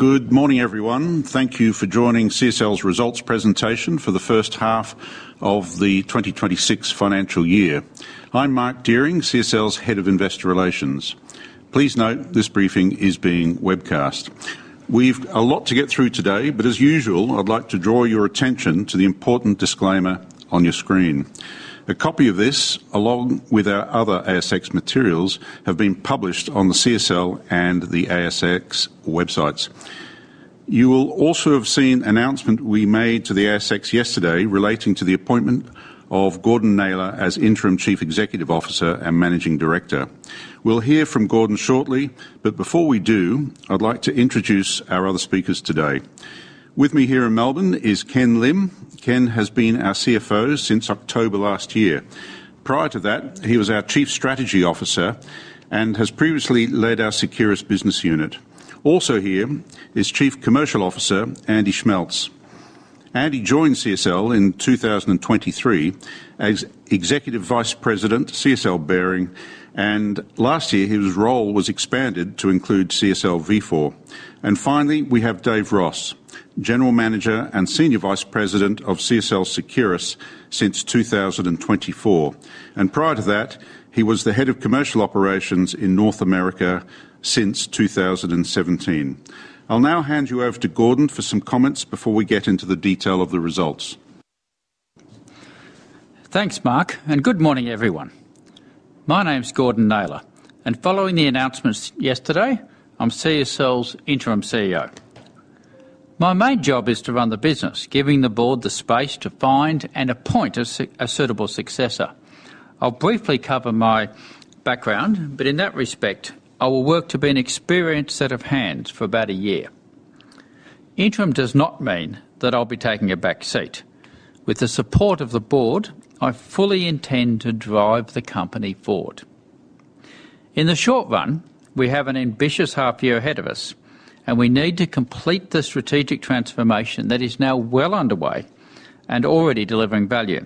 Good morning, everyone. Thank you for joining CSL's Results Presentation for the First Half of the 2026 Financial Year. I'm Mark Deering, CSL's Head of Investor Relations. Please note, this briefing is being webcast. We've a lot to get through today, but as usual, I'd like to draw your attention to the important disclaimer on your screen. A copy of this, along with our other ASX materials, have been published on the CSL and the ASX websites. You will also have seen an announcement we made to the ASX yesterday relating to the appointment of Gordon Naylor as Interim Chief Executive Officer and Managing Director. We'll hear from Gordon shortly, but before we do, I'd like to introduce our other speakers today. With me here in Melbourne is Ken Lim. Ken has been our CFO since October last year. Prior to that, he was our Chief Strategy Officer and has previously led our Seqirus business unit. Also here is Chief Commercial Officer, Andy Schmeltz. Andy joined CSL in 2023 as Executive Vice President, CSL Behring, and last year, his role was expanded to include CSL Vifor. And finally, we have Dave Ross, General Manager and Senior Vice President of CSL Seqirus since 2024, and prior to that, he was the Head of Commercial Operations in North America since 2017. I'll now hand you over to Gordon for some comments before we get into the detail of the results. Thanks, Mark, and good morning, everyone. My name's Gordon Naylor, and following the announcements yesterday, I'm CSL's Interim CEO. My main job is to run the business, giving the board the space to find and appoint a suitable successor. I'll briefly cover my background, but in that respect, I will work to be an experienced set of hands for about a year. Interim does not mean that I'll be taking a back seat. With the support of the board, I fully intend to drive the company forward. In the short run, we have an ambitious half year ahead of us, and we need to complete the strategic transformation that is now well underway and already delivering value.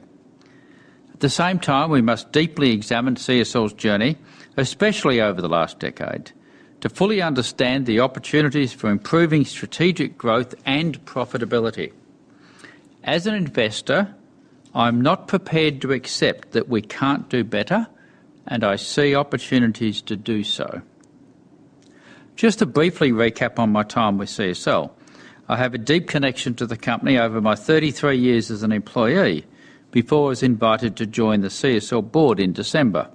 At the same time, we must deeply examine CSL's journey, especially over the last decade, to fully understand the opportunities for improving strategic growth and profitability. As an investor, I'm not prepared to accept that we can't do better, and I see opportunities to do so. Just to briefly recap on my time with CSL, I have a deep connection to the company over my 33 years as an employee before I was invited to join the CSL Board in December.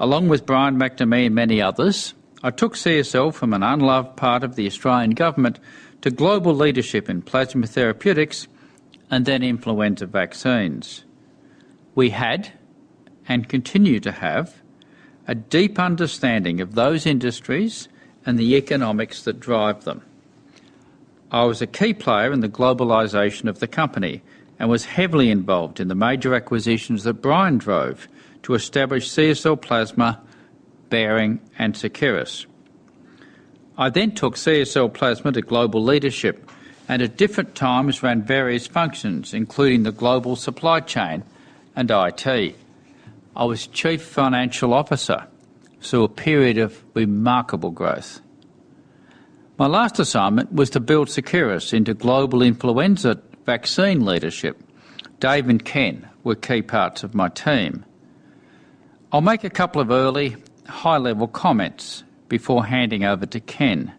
Along with Brian McNamee and many others, I took CSL from an unloved part of the Australian government to global leadership in plasma therapeutics and then influenza vaccines. We had, and continue to have, a deep understanding of those industries and the economics that drive them. I was a key player in the globalization of the company and was heavily involved in the major acquisitions that Brian drove to establish CSL Plasma, Behring, and Seqirus. I then took CSL Plasma to global leadership and at different times ran various functions, including the global supply chain and IT. I was Chief Financial Officer through a period of remarkable growth. My last assignment was to build Seqirus into global influenza vaccine leadership. Dave and Ken were key parts of my team. I'll make a couple of early, high-level comments before handing over to Ken.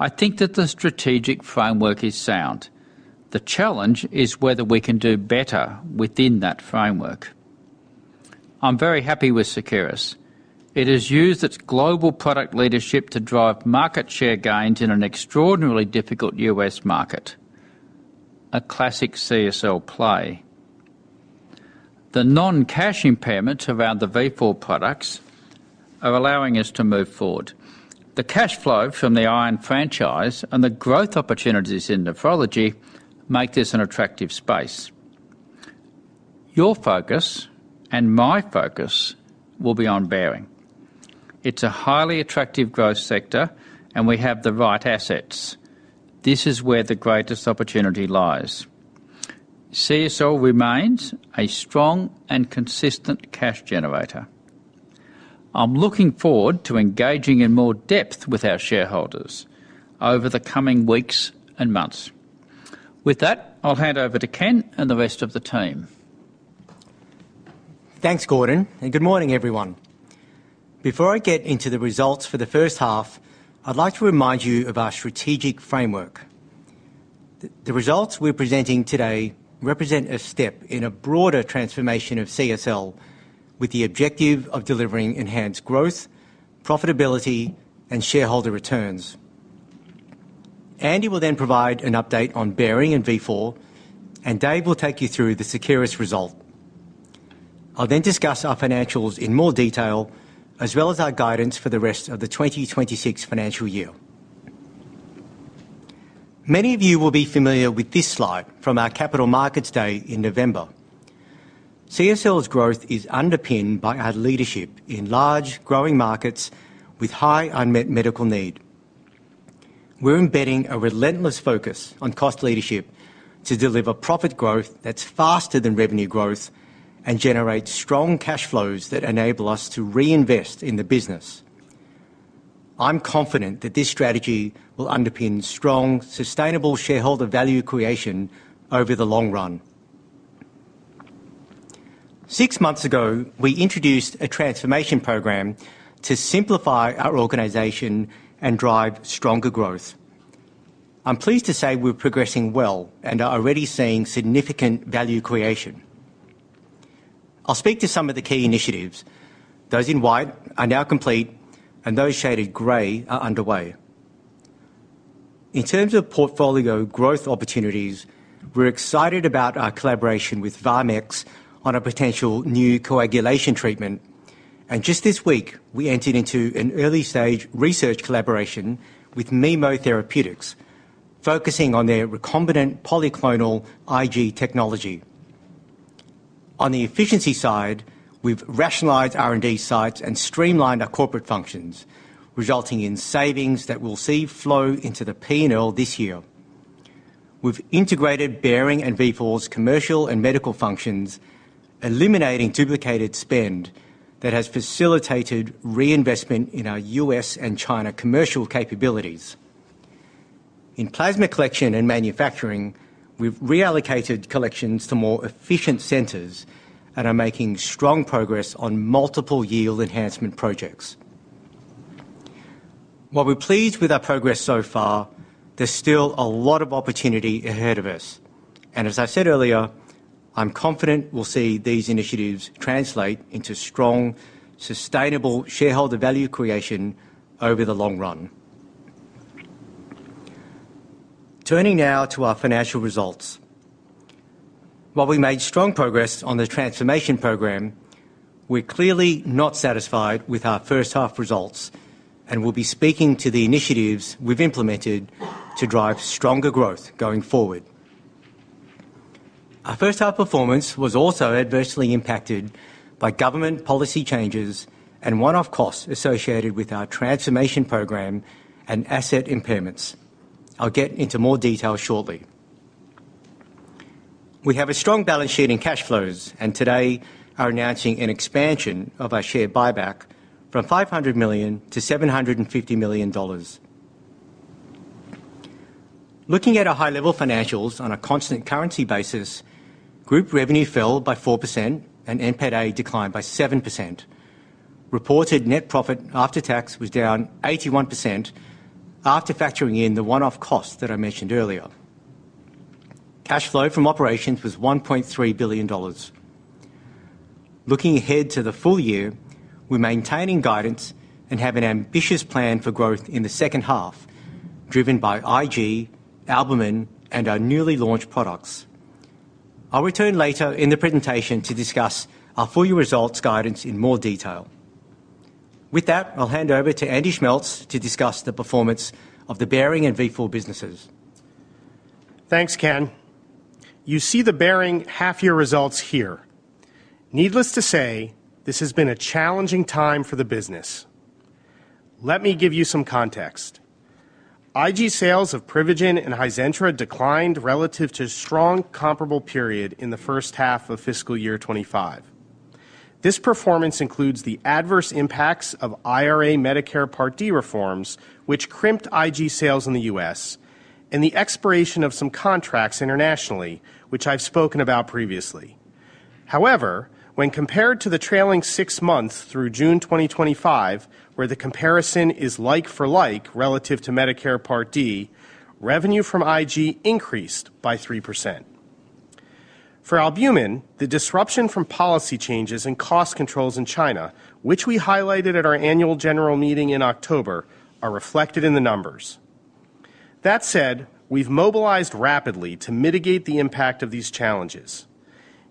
I think that the strategic framework is sound. The challenge is whether we can do better within that framework. I'm very happy with Seqirus. It has used its global product leadership to drive market share gains in an extraordinarily difficult U.S. market, a classic CSL play. The non-cash impairments around the Vifor products are allowing us to move forward. The cash flow from the iron franchise and the growth opportunities in nephrology make this an attractive space. Your focus and my focus will be on Behring. It's a highly attractive growth sector, and we have the right assets. This is where the greatest opportunity lies. CSL remains a strong and consistent cash generator. I'm looking forward to engaging in more depth with our shareholders over the coming weeks and months. With that, I'll hand over to Ken and the rest of the team. Thanks, Gordon, and good morning, everyone. Before I get into the results for the first half, I'd like to remind you of our strategic framework. The results we're presenting today represent a step in a broader transformation of CSL with the objective of delivering enhanced growth, profitability, and shareholder returns. Andy will then provide an update on Behring and Vifor, and Dave will take you through the Seqirus result. I'll then discuss our financials in more detail, as well as our guidance for the rest of the 2026 financial year. Many of you will be familiar with this slide from our Capital Markets Day in November. CSL's growth is underpinned by our leadership in large, growing markets with high unmet medical need. We're embedding a relentless focus on cost leadership-... to deliver profit growth that's faster than revenue growth and generate strong cash flows that enable us to reinvest in the business. I'm confident that this strategy will underpin strong, sustainable shareholder value creation over the long run. Six months ago, we introduced a transformation program to simplify our organization and drive stronger growth. I'm pleased to say we're progressing well and are already seeing significant value creation. I'll speak to some of the key initiatives. Those in white are now complete, and those shaded gray are underway. In terms of portfolio growth opportunities, we're excited about our collaboration with VarmX on a potential new coagulation treatment, and just this week, we entered into an early-stage research collaboration with Memo Therapeutics, focusing on their recombinant polyclonal Ig technology. On the efficiency side, we've rationalized R&D sites and streamlined our corporate functions, resulting in savings that we'll see flow into the P&L this year. We've integrated Behring and Vifor's commercial and medical functions, eliminating duplicated spend that has facilitated reinvestment in our U.S. and China commercial capabilities. In plasma collection and manufacturing, we've reallocated collections to more efficient centers and are making strong progress on multiple yield enhancement projects. While we're pleased with our progress so far, there's still a lot of opportunity ahead of us, and as I said earlier, I'm confident we'll see these initiatives translate into strong, sustainable shareholder value creation over the long run. Turning now to our financial results. While we made strong progress on the transformation program, we're clearly not satisfied with our first half results and will be speaking to the initiatives we've implemented to drive stronger growth going forward. Our first half performance was also adversely impacted by government policy changes and one-off costs associated with our transformation program and asset impairments. I'll get into more detail shortly. We have a strong balance sheet and cash flows, and today are announcing an expansion of our share buyback from $500 million to $750 million dollars. Looking at our high-level financials on a constant currency basis, group revenue fell by 4%, and NPATA declined by 7%. Reported net profit after tax was down 81% after factoring in the one-off costs that I mentioned earlier. Cash flow from operations was $1.3 billion dollars. Looking ahead to the full year, we're maintaining guidance and have an ambitious plan for growth in the second half, driven by IG, albumin, and our newly launched products. I'll return later in the presentation to discuss our full year results guidance in more detail. With that, I'll hand over to Andy Schmeltz to discuss the performance of the Behring and Vifor businesses. Thanks, Ken. You see the CSL half-year results here. Needless to say, this has been a challenging time for the business. Let me give you some context. IG sales of Privigen and Hizentra declined relative to strong comparable period in the first half of fiscal year 2025. This performance includes the adverse impacts of IRA Medicare Part D reforms, which crimped IG sales in the U.S. and the expiration of some contracts internationally, which I've spoken about previously. However, when compared to the trailing six months through June 2025, where the comparison is like-for-like relative to Medicare Part D, revenue from IG increased by 3%. For albumin, the disruption from policy changes and cost controls in China, which we highlighted at our annual general meeting in October, are reflected in the numbers. That said, we've mobilized rapidly to mitigate the impact of these challenges.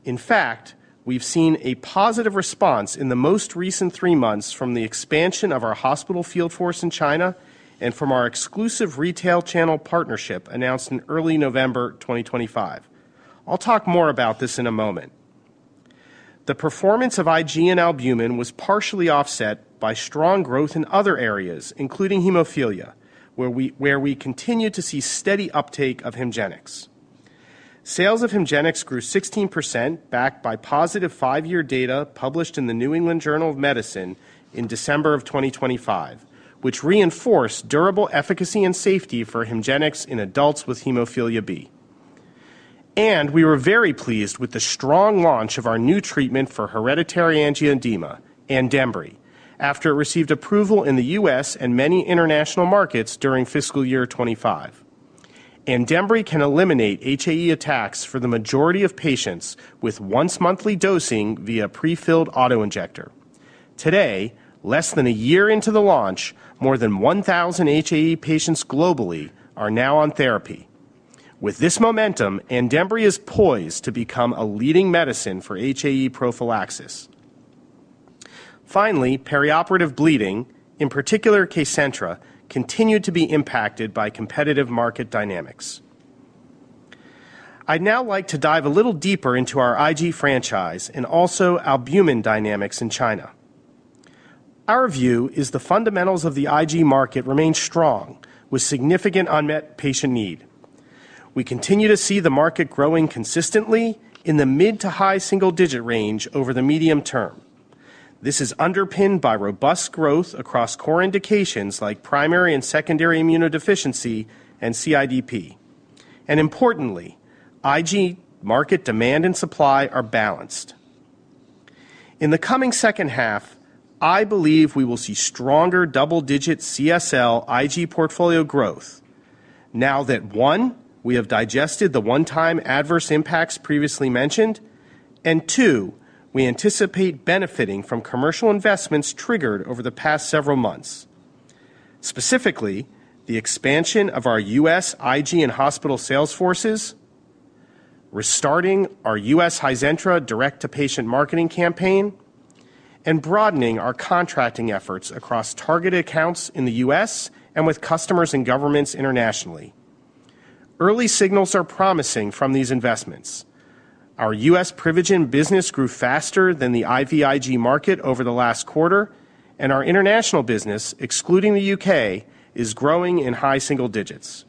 In fact, we've seen a positive response in the most recent three months from the expansion of our hospital field force in China and from our exclusive retail channel partnership announced in early November 2025. I'll talk more about this in a moment. The performance of IG and albumin was partially offset by strong growth in other areas, including hemophilia, where we continued to see steady uptake of HEMGENIX. Sales of HEMGENIX grew 16%, backed by positive five-year data published in the New England Journal of Medicine in December of 2025, which reinforced durable efficacy and safety for HEMGENIX in adults with Hemophilia B. We were very pleased with the strong launch of our new treatment for hereditary angioedema, ANDEMBRY, after it received approval in the U.S. and many international markets during fiscal year 2025. ANDEMBRY can eliminate HAE attacks for the majority of patients with once-monthly dosing via prefilled auto-injector. Today, less than a year into the launch, more than 1,000 HAE patients globally are now on therapy. With this momentum, ANDEMBRY is poised to become a leading medicine for HAE prophylaxis. Finally, perioperative bleeding, in particular Kcentra, continued to be impacted by competitive market dynamics. I'd now like to dive a little deeper into our IG franchise and also albumin dynamics in China. Our view is the fundamentals of the IG market remain strong, with significant unmet patient need. We continue to see the market growing consistently in the mid- to high-single-digit range over the medium term. This is underpinned by robust growth across core indications like primary and secondary immunodeficiency and CIDP. And importantly, IG market demand and supply are balanced. In the coming second half, I believe we will see stronger double-digit CSL IG portfolio growth now that, one, we have digested the one-time adverse impacts previously mentioned, and two, we anticipate benefiting from commercial investments triggered over the past several months. Specifically, the expansion of our U.S. IG and hospital sales forces, restarting our U.S. Hizentra direct-to-patient marketing campaign, and broadening our contracting efforts across targeted accounts in the U.S. and with customers and governments internationally. Early signals are promising from these investments. Our U.S. Privigen business grew faster than the IVIG market over the last quarter, and our international business, excluding the U.K., is growing in high single digits.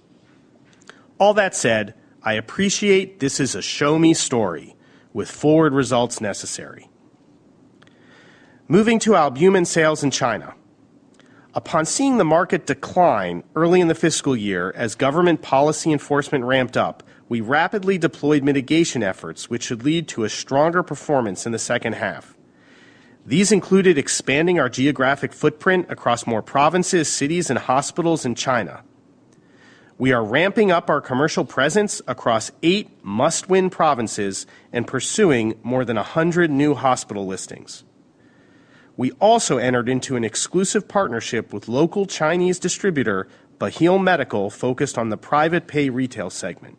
All that said, I appreciate this is a show-me story with forward results necessary. Moving to albumin sales in China. Upon seeing the market decline early in the fiscal year as government policy enforcement ramped up, we rapidly deployed mitigation efforts, which should lead to a stronger performance in the second half. These included expanding our geographic footprint across more provinces, cities, and hospitals in China. We are ramping up our commercial presence across eight must-win provinces and pursuing more than 100 new hospital listings. We also entered into an exclusive partnership with local Chinese distributor, Baheal Medical, focused on the private pay retail segment.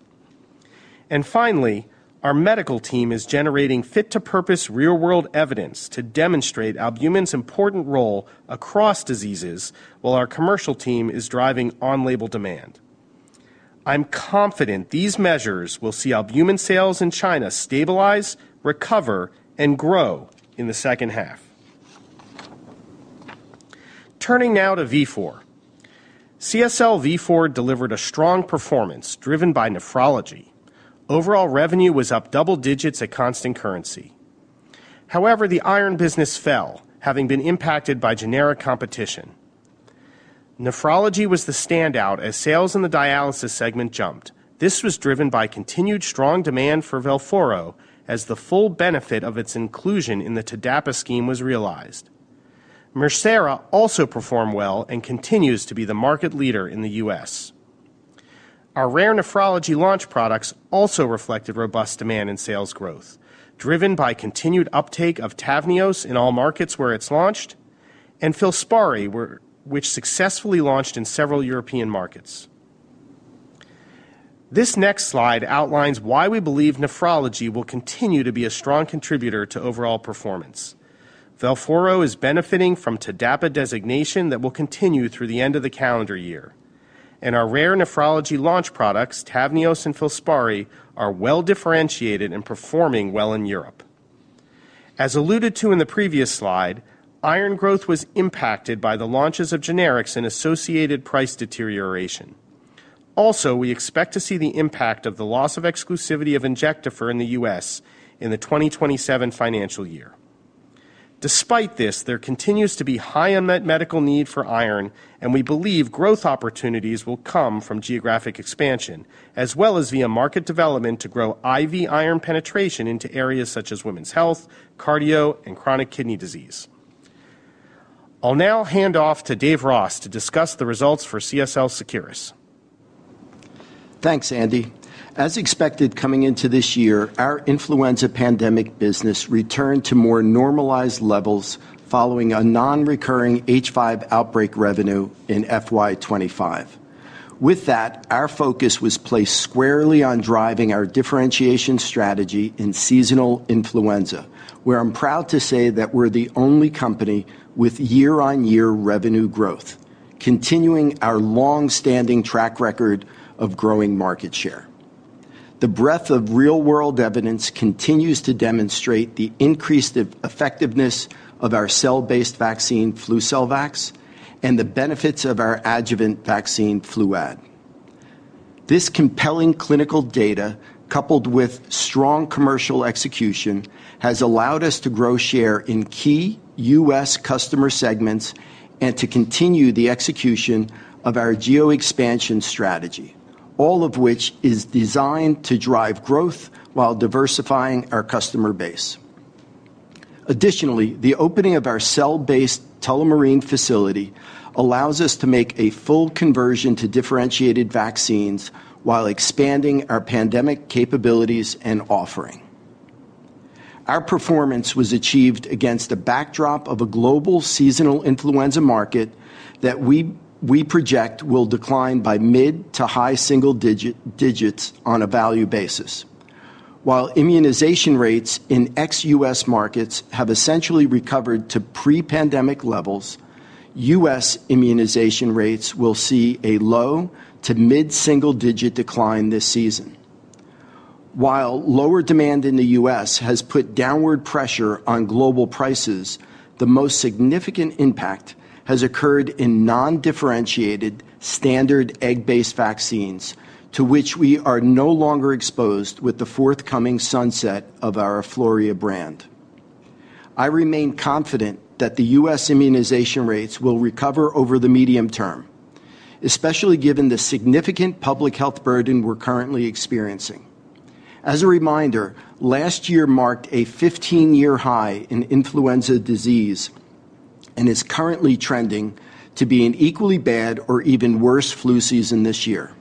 And finally, our medical team is generating fit-to-purpose real-world evidence to demonstrate albumin's important role across diseases, while our commercial team is driving on-label demand. I'm confident these measures will see albumin sales in China stabilize, recover, and grow in the second half. Turning now to Vifor. CSL Vifor delivered a strong performance driven by nephrology. Overall revenue was up double digits at constant currency. However, the iron business fell, having been impacted by generic competition. Nephrology was the standout as sales in the dialysis segment jumped. This was driven by continued strong demand for Velphoro as the full benefit of its inclusion in the TDAPA scheme was realized. Mircera also performed well and continues to be the market leader in the U.S. Our rare nephrology launch products also reflected robust demand and sales growth, driven by continued uptake of TAVNEOS in all markets where it's launched and FILSPARI, which successfully launched in several European markets. This next slide outlines why we believe nephrology will continue to be a strong contributor to overall performance. Velphoro is benefiting from TDAPA designation that will continue through the end of the calendar year, and our rare nephrology launch products, TAVNEOS and FILSPARI, are well-differentiated and performing well in Europe. As alluded to in the previous slide, iron growth was impacted by the launches of generics and associated price deterioration. Also, we expect to see the impact of the loss of exclusivity of Injectafer in the U.S. in the 2027 financial year. Despite this, there continues to be high unmet medical need for iron, and we believe growth opportunities will come from geographic expansion, as well as via market development to grow IV iron penetration into areas such as women's health, cardio, and chronic kidney disease. I'll now hand off to Dave Ross to discuss the results for CSL Seqirus. Thanks, Andy. As expected, coming into this year, our influenza pandemic business returned to more normalized levels following a non-recurring H5 outbreak revenue in FY 2025. With that, our focus was placed squarely on driving our differentiation strategy in seasonal influenza, where I'm proud to say that we're the only company with year-on-year revenue growth, continuing our long-standing track record of growing market share. The breadth of real-world evidence continues to demonstrate the increased effectiveness of our cell-based vaccine, FLUCELVAX, and the benefits of our adjuvant vaccine, FLUAD. This compelling clinical data, coupled with strong commercial execution, has allowed us to grow share in key U.S. customer segments and to continue the execution of our geo-expansion strategy, all of which is designed to drive growth while diversifying our customer base. Additionally, the opening of our cell-based Tullamarine facility allows us to make a full conversion to differentiated vaccines while expanding our pandemic capabilities and offering. Our performance was achieved against a backdrop of a global seasonal influenza market that we project will decline by mid- to high-single digits on a value basis. While immunization rates in ex-U.S. markets have essentially recovered to pre-pandemic levels, U.S. immunization rates will see a low- to mid-single-digit decline this season. While lower demand in the U.S. has put downward pressure on global prices, the most significant impact has occurred in non-differentiated standard egg-based vaccines, to which we are no longer exposed with the forthcoming sunset of our Afluria brand. I remain confident that the U.S. immunization rates will recover over the medium term, especially given the significant public health burden we're currently experiencing. As a reminder, last year marked a 15-year high in influenza disease and is currently trending to be an equally bad or even worse flu season this year.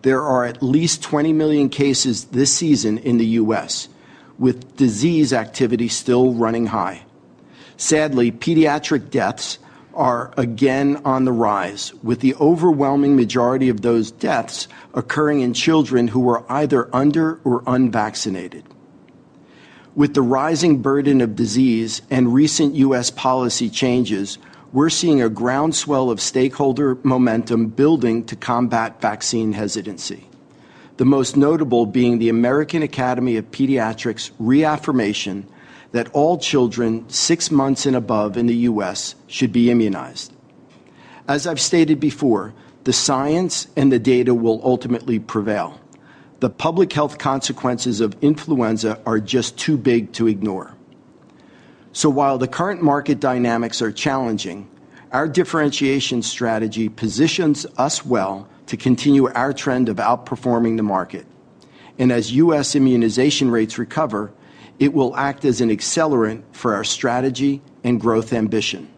There are at least 20 million cases this season in the U.S., with disease activity still running high. Sadly, pediatric deaths are again on the rise, with the overwhelming majority of those deaths occurring in children who are either under or unvaccinated. With the rising burden of disease and recent U.S. policy changes, we're seeing a groundswell of stakeholder momentum building to combat vaccine hesitancy. The most notable being the American Academy of Pediatrics' reaffirmation that all children six months and above in the U.S. should be immunized. As I've stated before, the science and the data will ultimately prevail. The public health consequences of influenza are just too big to ignore. So while the current market dynamics are challenging, our differentiation strategy positions us well to continue our trend of outperforming the market, and as U.S. immunization rates recover, it will act as an accelerant for our strategy and growth ambition.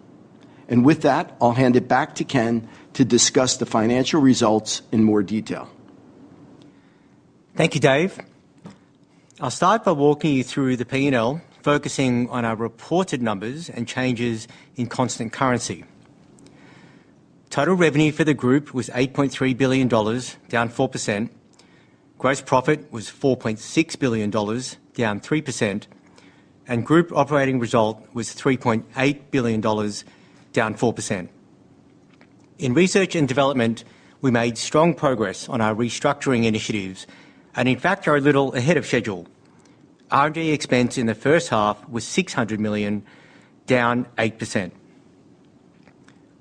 With that, I'll hand it back to Ken to discuss the financial results in more detail. Thank you, Dave. I'll start by walking you through the P&L, focusing on our reported numbers and changes in constant currency. Total revenue for the group was $8.3 billion, down 4%. Gross profit was $4.6 billion, down 3%, and group operating result was $3.8 billion, down 4%. In research and development, we made strong progress on our restructuring initiatives and in fact, are a little ahead of schedule. R&D expense in the first half was $600 million, down 8%.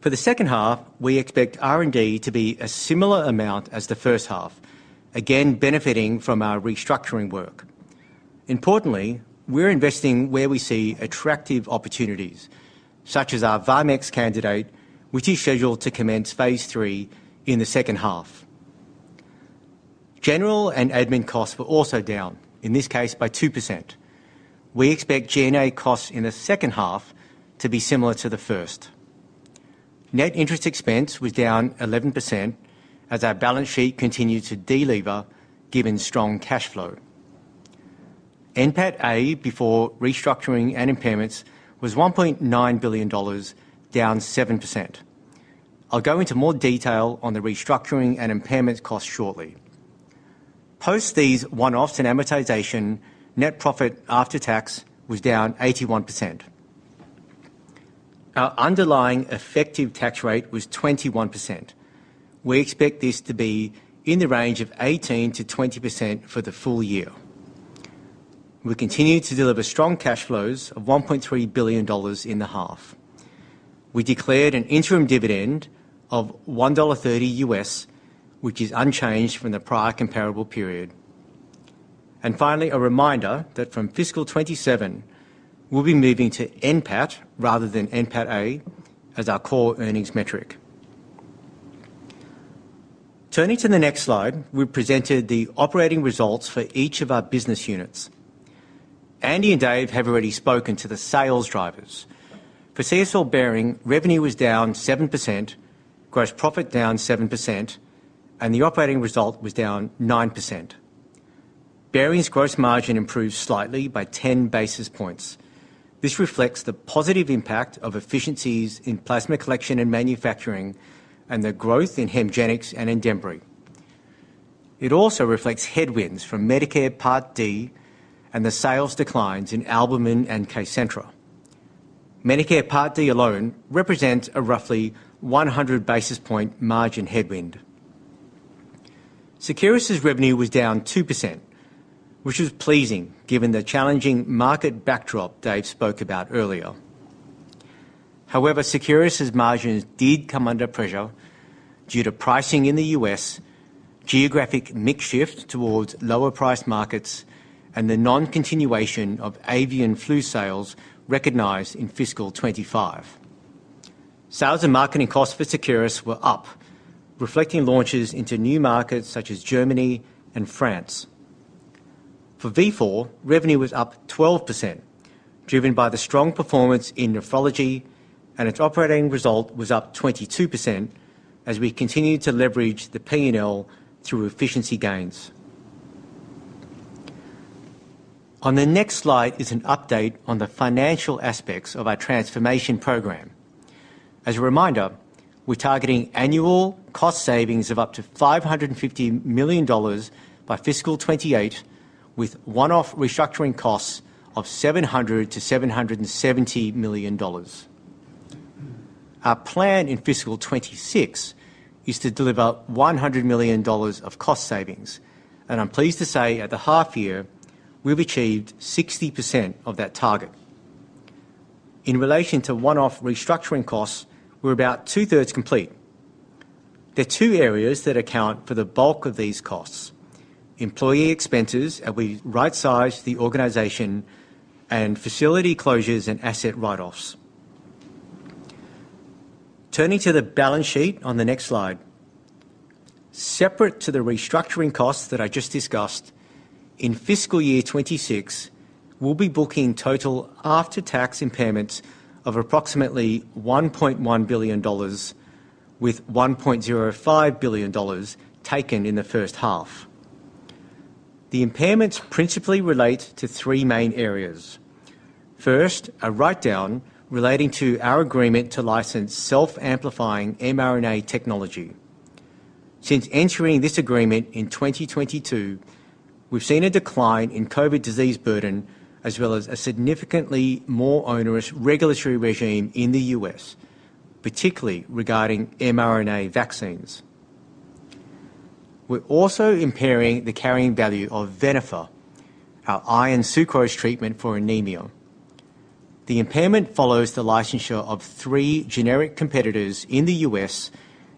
For the second half, we expect R&D to be a similar amount as the first half, again, benefiting from our restructuring work. Importantly, we're investing where we see attractive opportunities, such as our VarmX candidate, which is scheduled to commence phase three in the second half. General and admin costs were also down, in this case, by 2%. We expect G&A costs in the second half to be similar to the first. Net interest expense was down 11% as our balance sheet continued to delever, given strong cash flow. NPATA, before restructuring and impairments, was $1.9 billion, down 7%. I'll go into more detail on the restructuring and impairment costs shortly. Post these one-offs and amortization, net profit after tax was down 81%. Our underlying effective tax rate was 21%. We expect this to be in the range of 18%-20% for the full year. We continued to deliver strong cash flows of $1.3 billion in the half. We declared an interim dividend of $1.30, which is unchanged from the prior comparable period. Finally, a reminder that from fiscal 2027, we'll be moving to NPAT rather than NPATA as our core earnings metric. Turning to the next slide, we presented the operating results for each of our business units. Andy and Dave have already spoken to the sales drivers. For CSL Behring, revenue was down 7%, gross profit down 7%, and the operating result was down 9%. Behring's gross margin improved slightly by 10 basis points. This reflects the positive impact of efficiencies in plasma collection and manufacturing and the growth in HEMGENIX and ANDEMBRY. It also reflects headwinds from Medicare Part D and the sales declines in albumin and Kcentra. Medicare Part D alone represents a roughly 100 basis point margin headwind. Seqirus' revenue was down 2%, which is pleasing given the challenging market backdrop Dave spoke about earlier. However, Seqirus' margins did come under pressure due to pricing in the U.S., geographic mix shift towards lower priced markets, and the non-continuation of avian flu sales recognized in fiscal 2025. Sales and marketing costs for Seqirus were up, reflecting launches into new markets such as Germany and France. For Vifor, revenue was up 12%, driven by the strong performance in nephrology, and its operating result was up 22% as we continued to leverage the P&L through efficiency gains. On the next slide is an update on the financial aspects of our transformation program. As a reminder, we're targeting annual cost savings of up to $550 million by fiscal 2028, with one-off restructuring costs of $700 million-$770 million. Our plan in fiscal 2026 is to deliver $100 million of cost savings, and I'm pleased to say at the half year, we've achieved 60% of that target. In relation to one-off restructuring costs, we're about 2/3 complete. There are two areas that account for the bulk of these costs: employee expenses, as we rightsize the organization, and facility closures and asset write-offs. Turning to the balance sheet on the next slide. Separate to the restructuring costs that I just discussed, in fiscal year 2026, we'll be booking total after-tax impairments of approximately $1.1 billion, with $1.05 billion taken in the first half. The impairments principally relate to three main areas. First, a write-down relating to our agreement to license self-amplifying mRNA technology. Since entering this agreement in 2022, we've seen a decline in COVID disease burden, as well as a significantly more onerous regulatory regime in the U.S., particularly regarding mRNA vaccines. We're also impairing the carrying value of Venofer, our iron sucrose treatment for anemia. The impairment follows the licensure of three generic competitors in the U.S.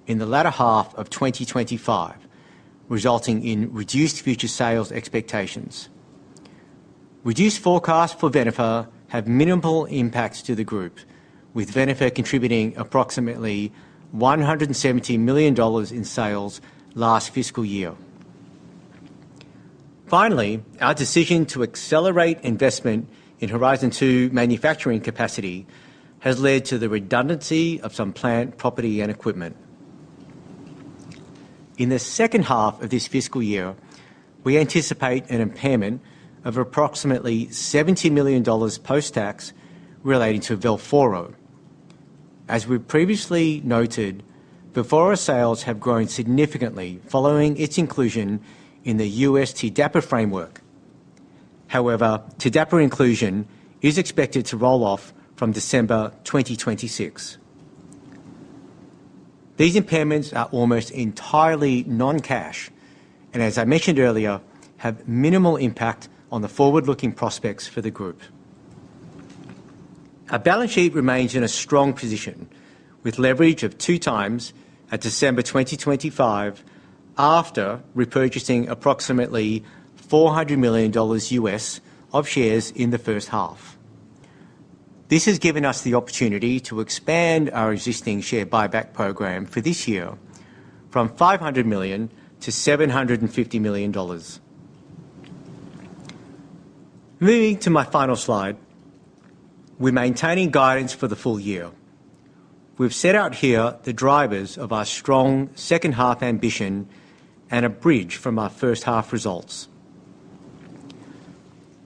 in the latter half of 2025, resulting in reduced future sales expectations. Reduced forecasts for Venofer have minimal impacts to the group, with Venofer contributing approximately $170 million in sales last fiscal year. Finally, our decision to accelerate investment in Horizon 2 manufacturing capacity has led to the redundancy of some plant, property, and equipment. In the second half of this fiscal year, we anticipate an impairment of approximately $70 million post-tax relating to Velphoro. As we previously noted, Velphoro sales have grown significantly following its inclusion in the U.S. TDAPA framework. However, TDAPA inclusion is expected to roll off from December 2026. These impairments are almost entirely non-cash and, as I mentioned earlier, have minimal impact on the forward-looking prospects for the group. Our balance sheet remains in a strong position, with leverage of 2x at December 2025, after repurchasing approximately $400 million of shares in the first half. This has given us the opportunity to expand our existing share buyback program for this year from $500 million-$750 million. Moving to my final slide. We're maintaining guidance for the full year. We've set out here the drivers of our strong second half ambition and a bridge from our first half results.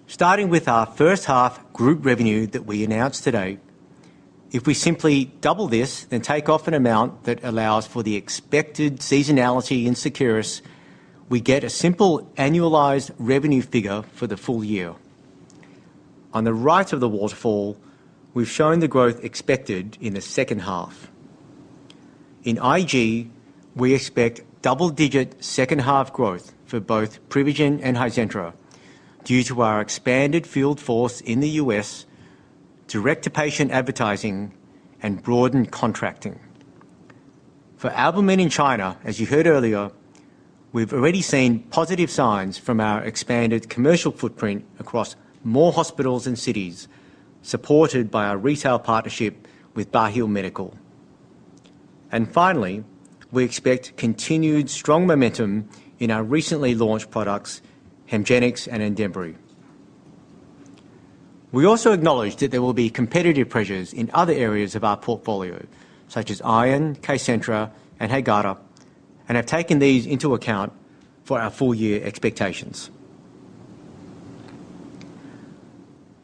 Starting with our first half group revenue that we announced today, if we simply double this, then take off an amount that allows for the expected seasonality in Seqirus, we get a simple annualized revenue figure for the full year. On the right of the waterfall, we've shown the growth expected in the second half. In IG, we expect double-digit second half growth for both Privigen and Hizentra due to our expanded field force in the U.S., direct-to-patient advertising, and broadened contracting. For albumin in China, as you heard earlier, we've already seen positive signs from our expanded commercial footprint across more hospitals and cities, supported by our retail partnership with Baheal Medical. And finally, we expect continued strong momentum in our recently launched products, HEMGENIX and ANDEMBRY. We also acknowledge that there will be competitive pressures in other areas of our portfolio, such as iron, Kcentra, and HAEGARDA, and have taken these into account for our full year expectations.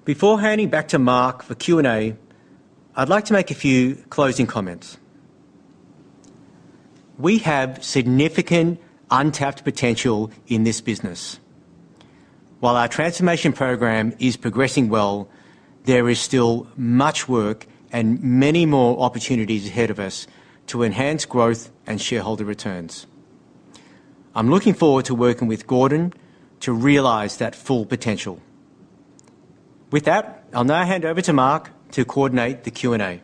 Before handing back to Mark for Q&A, I'd like to make a few closing comments. We have significant untapped potential in this business. While our transformation program is progressing well, there is still much work and many more opportunities ahead of us to enhance growth and shareholder returns. I'm looking forward to working with Gordon to realize that full potential. With that, I'll now hand over to Mark to coordinate the Q&A.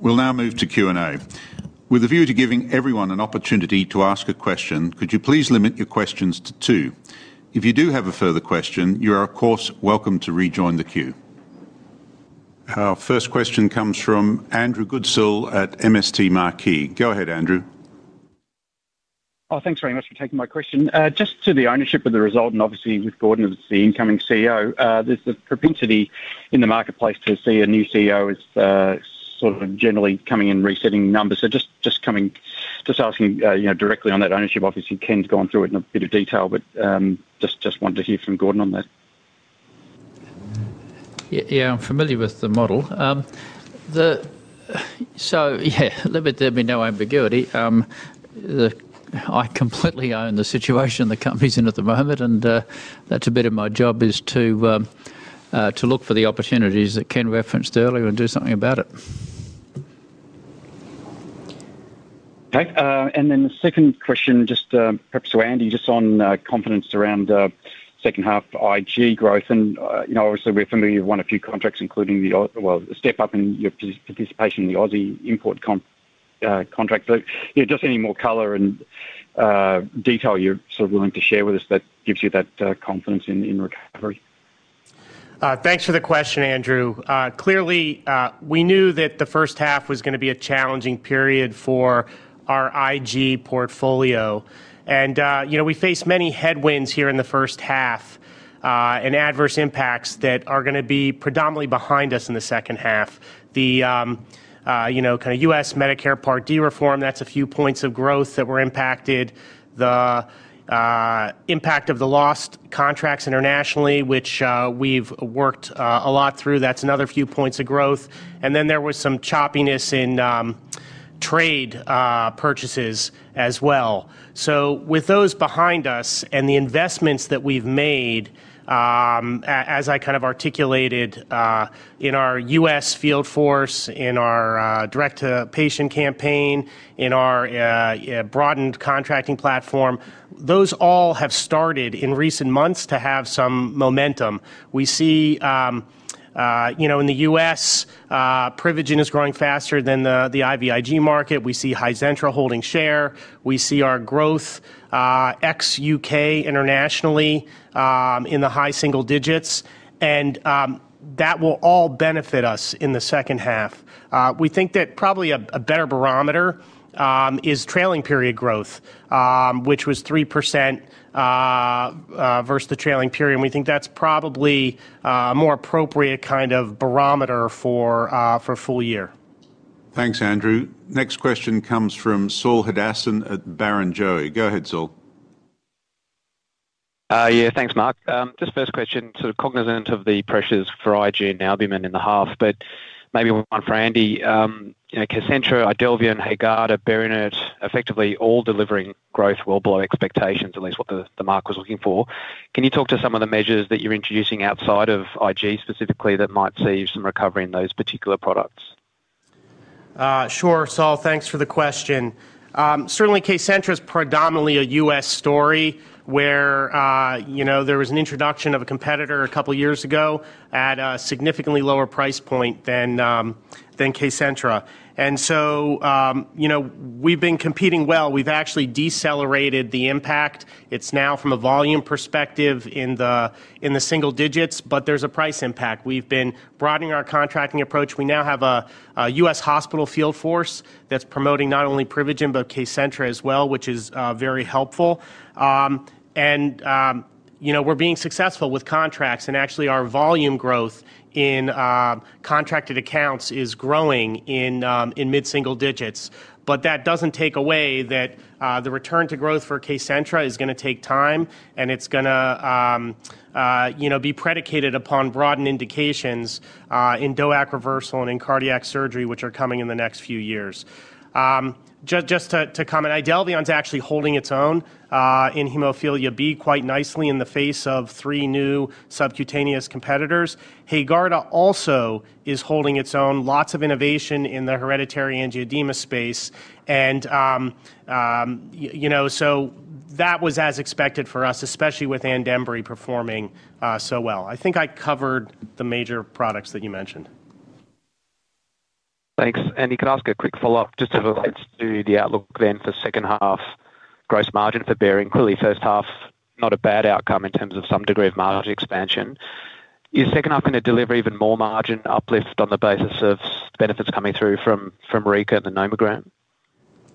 We'll now move to Q&A. With a view to giving everyone an opportunity to ask a question, could you please limit your questions to two? If you do have a further question, you are, of course, welcome to rejoin the queue. Our first question comes from Andrew Goodsall at MST Marquee. Go ahead, Andrew. Oh, thanks very much for taking my question. Just to the ownership of the result, and obviously with Gordon as the incoming CEO, there's the propensity in the marketplace to see a new CEO as sort of generally coming in and resetting numbers. So just asking, you know, directly on that ownership. Obviously, Ken's gone through it in a bit of detail, but just wanted to hear from Gordon on that. Yeah, yeah, I'm familiar with the model. So, yeah, let there be no ambiguity, I completely own the situation the company's in at the moment, and that's a bit of my job, is to look for the opportunities that Ken referenced earlier and do something about it. Okay, and then the second question, just, perhaps to Andy, just on, confidence around, second half IG growth. And, you know, obviously, we're familiar you've won a few contracts, including the, well, the step up in your participation in the Aussie import contract. But, yeah, just any more color and, detail you're sort of willing to share with us that gives you that, confidence in, recovery. Thanks for the question, Andrew. Clearly, we knew that the first half was gonna be a challenging period for our IG portfolio. And, you know, we faced many headwinds here in the first half, and adverse impacts that are gonna be predominantly behind us in the second half. The, you know, kinda U.S. Medicare Part D reform, that's a few points of growth that were impacted. The, impact of the lost contracts internationally, which, we've worked, a lot through, that's another few points of growth. And then there was some choppiness in, trade, purchases as well. So with those behind us and the investments that we've made, as I kind of articulated in our U.S. field force, in our direct-to-patient campaign, in our broadened contracting platform, those all have started in recent months to have some momentum. We see, you know, in the U.S., Privigen is growing faster than the IVIG market. We see Hizentra holding share. We see our growth ex-U.K. internationally in the high single digits, and that will all benefit us in the second half. We think that probably a better barometer is trailing period growth, which was 3%, versus the trailing period, and we think that's probably a more appropriate kind of barometer for full year. Thanks, Andrew. Next question comes from Saul Hadassin at Barrenjoey. Go ahead, Saul. Yeah, thanks, Mark. Just first question, sort of cognizant of the pressures for IG and albumin in the half, but maybe one for Andy. You know, Kcentra, IDELVION, HAEGARDA, BERINERT, effectively all delivering growth well below expectations, at least what the market was looking for. Can you talk to some of the measures that you're introducing outside of IG specifically that might see some recovery in those particular products? Sure, Saul, thanks for the question. Certainly, Kcentra is predominantly a U.S. story, where you know, there was an introduction of a competitor a couple of years ago at a significantly lower price point than Kcentra. And so, you know, we've been competing well. We've actually decelerated the impact. It's now from a volume perspective in the single digits, but there's a price impact. We've been broadening our contracting approach. We now have a U.S. hospital field force that's promoting not only Privigen, but Kcentra as well, which is very helpful. And you know, we're being successful with contracts, and actually, our volume growth in contracted accounts is growing in mid-single digits. But that doesn't take away that, the return to growth for Kcentra is gonna take time, and it's gonna, you know, be predicated upon broadened indications, in DOAC reversal and in cardiac surgery, which are coming in the next few years. Just, just to comment, IDELVION is actually holding its own, in Hemophilia B quite nicely in the face of three new subcutaneous competitors. HAEGARDA also is holding its own. Lots of innovation in the hereditary angioedema space, and, you know, so that was as expected for us, especially with ANDEMBRY performing, so well. I think I covered the major products that you mentioned. Thanks. Andy, can I ask a quick follow-up, just to relate to the outlook then for second half gross margin for Behring? Clearly, first half, not a bad outcome in terms of some degree of margin expansion. Is second half gonna deliver even more margin uplift on the basis of benefits coming through from, from Rika and the nomogram?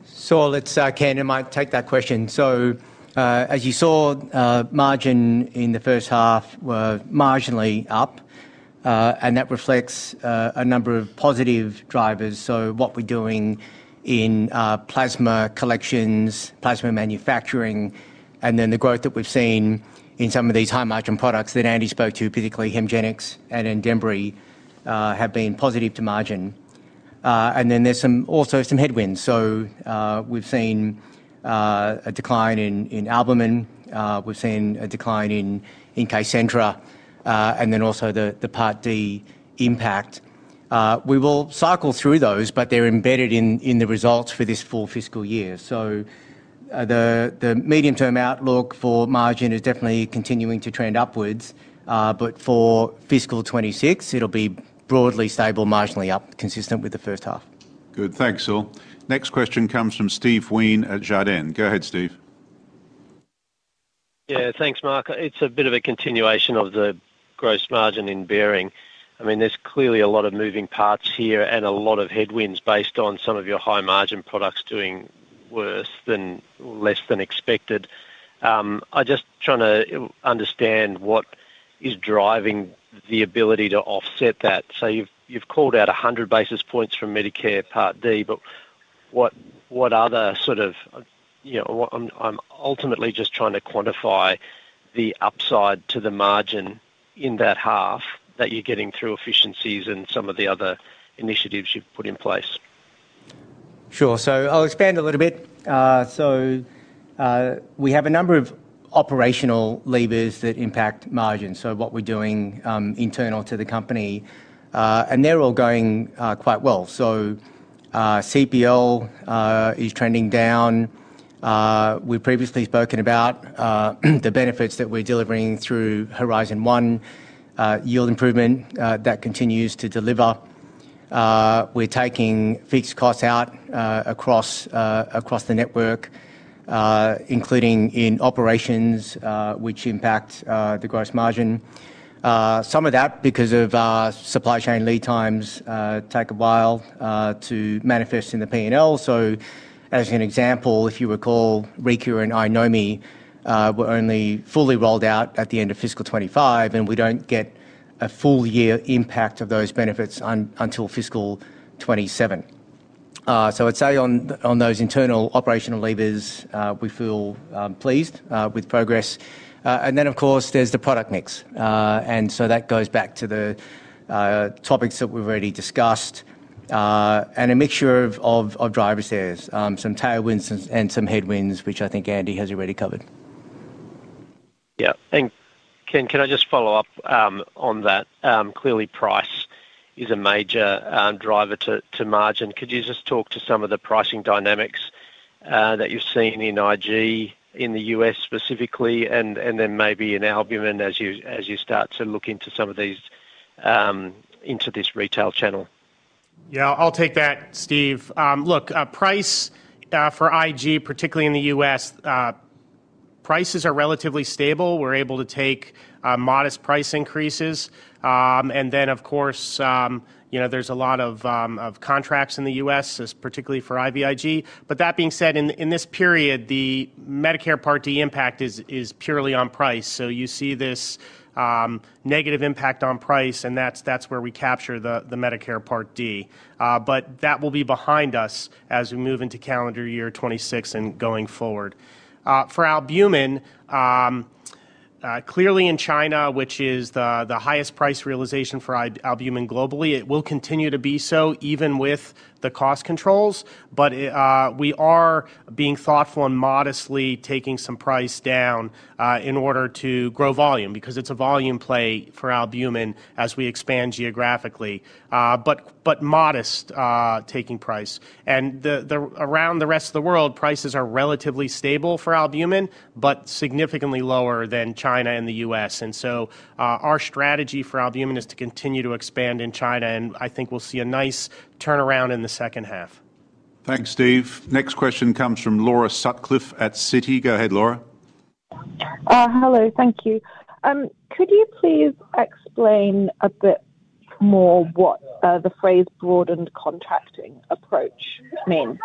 Saul, it's Ken, I might take that question. So, as you saw, margin in the first half were marginally up, and that reflects a number of positive drivers. So what we're doing in plasma collections, plasma manufacturing, and then the growth that we've seen in some of these high-margin products that Andy spoke to, particularly HEMGENIX and ANDEMBRY, have been positive to margin. And then there's some also some headwinds. So, we've seen a decline in in albumin, we've seen a decline in in Kcentra, and then also the Part D impact. We will cycle through those, but they're embedded in the results for this full fiscal year. The medium-term outlook for margin is definitely continuing to trend upwards, but for fiscal 2026, it'll be broadly stable, marginally up, consistent with the first half. Good. Thanks, Saul. Next question comes from Steve Wheen at Jarden. Go ahead, Steve. Yeah, thanks, Mark. It's a bit of a continuation of the gross margin in Behring. I mean, there's clearly a lot of moving parts here and a lot of headwinds based on some of your high-margin products doing worse than less than expected. I'm just trying to understand what is driving the ability to offset that. So you've called out 100 basis points from Medicare Part D, but what other sort of... You know, what I'm ultimately just trying to quantify the upside to the margin in that half that you're getting through efficiencies and some of the other initiatives you've put in place? Sure. So I'll expand a little bit. So, we have a number of operational levers that impact margins, so what we're doing internal to the company, and they're all going quite well. So, CPL is trending down. We've previously spoken about the benefits that we're delivering through Horizon One, yield improvement that continues to deliver. We're taking fixed costs out, across, across the network, including in operations, which impact the gross margin. Some of that because of our supply chain lead times take a while to manifest in the P&L. So as an example, if you recall, Rika and iNomi were only fully rolled out at the end of fiscal 2025, and we don't get a full year impact of those benefits until fiscal 2027. So I'd say on those internal operational levers, we feel pleased with progress. And then, of course, there's the product mix. And so that goes back to the topics that we've already discussed, and a mixture of drivers there's. Some tailwinds and some headwinds, which I think Andy has already covered. Yeah. And Ken, can I just follow up on that? Clearly, price is a major driver to margin. Could you just talk to some of the pricing dynamics that you're seeing in IG, in the U.S. specifically, and then maybe in albumin as you start to look into some of these into this retail channel? Yeah, I'll take that, Steve. Look, price for IG, particularly in the U.S., prices are relatively stable. We're able to take modest price increases. And then, of course, you know, there's a lot of contracts in the U.S., as particularly for IVIG. But that being said, in this period, the Medicare Part D impact is purely on price. So you see this negative impact on price, and that's where we capture the Medicare Part D. But that will be behind us as we move into calendar year 2026 and going forward. For albumin, clearly in China, which is the highest price realization for albumin globally, it will continue to be so, even with the cost controls. But we are being thoughtful and modestly taking some price down in order to grow volume, because it's a volume play for albumin as we expand geographically, but modest taking price. And the around the rest of the world, prices are relatively stable for albumin, but significantly lower than China and the U.S. And so our strategy for albumin is to continue to expand in China, and I think we'll see a nice turnaround in the second half. Thanks, Steve. Next question comes from Laura Sutcliffe at Citi. Go ahead, Laura. Hello, thank you. Could you please explain a bit more what the phrase broadened contracting approach means?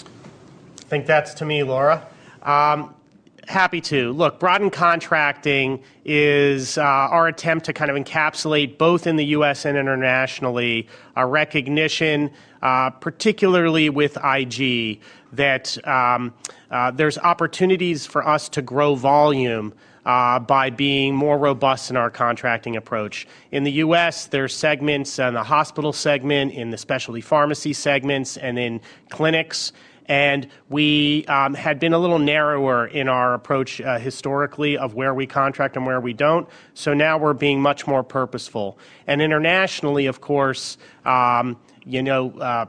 I think that's to me, Laura. Happy to. Look, broadened contracting is our attempt to kind of encapsulate, both in the U.S. and internationally, a recognition, particularly with IG, that there's opportunities for us to grow volume by being more robust in our contracting approach. In the U.S., there are segments in the hospital segment, in the specialty pharmacy segments, and in clinics, and we had been a little narrower in our approach, historically, of where we contract and where we don't. So now we're being much more purposeful. Internationally, of course, you know,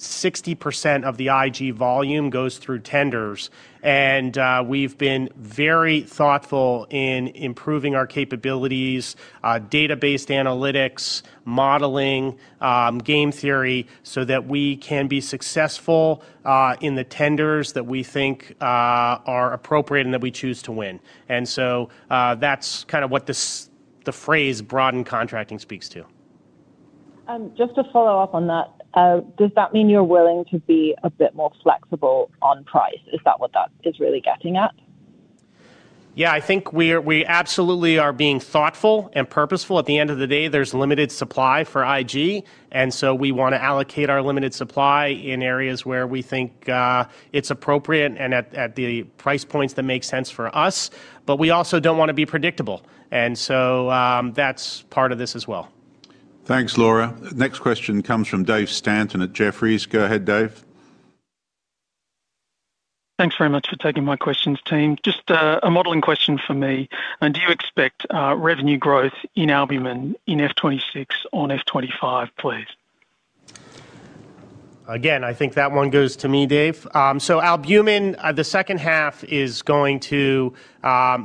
60% of the IG volume goes through tenders, and we've been very thoughtful in improving our capabilities, database analytics, modeling, game theory, so that we can be successful in the tenders that we think are appropriate and that we choose to win. And so, that's kind of what this, the phrase broadened contracting, speaks to. Just to follow up on that, does that mean you're willing to be a bit more flexible on price? Is that what that is really getting at? Yeah, I think we absolutely are being thoughtful and purposeful. At the end of the day, there's limited supply for IG, and so we wanna allocate our limited supply in areas where we think it's appropriate and at the price points that make sense for us, but we also don't wanna be predictable, and so that's part of this as well. Thanks, Laura. Next question comes from Dave Stanton at Jefferies. Go ahead, Dave. Thanks very much for taking my questions, team. Just, a modeling question for me. Do you expect revenue growth in albumin in FY 2026 on FY 2025, please? Again, I think that one goes to me, Dave. So albumin, the second half is going to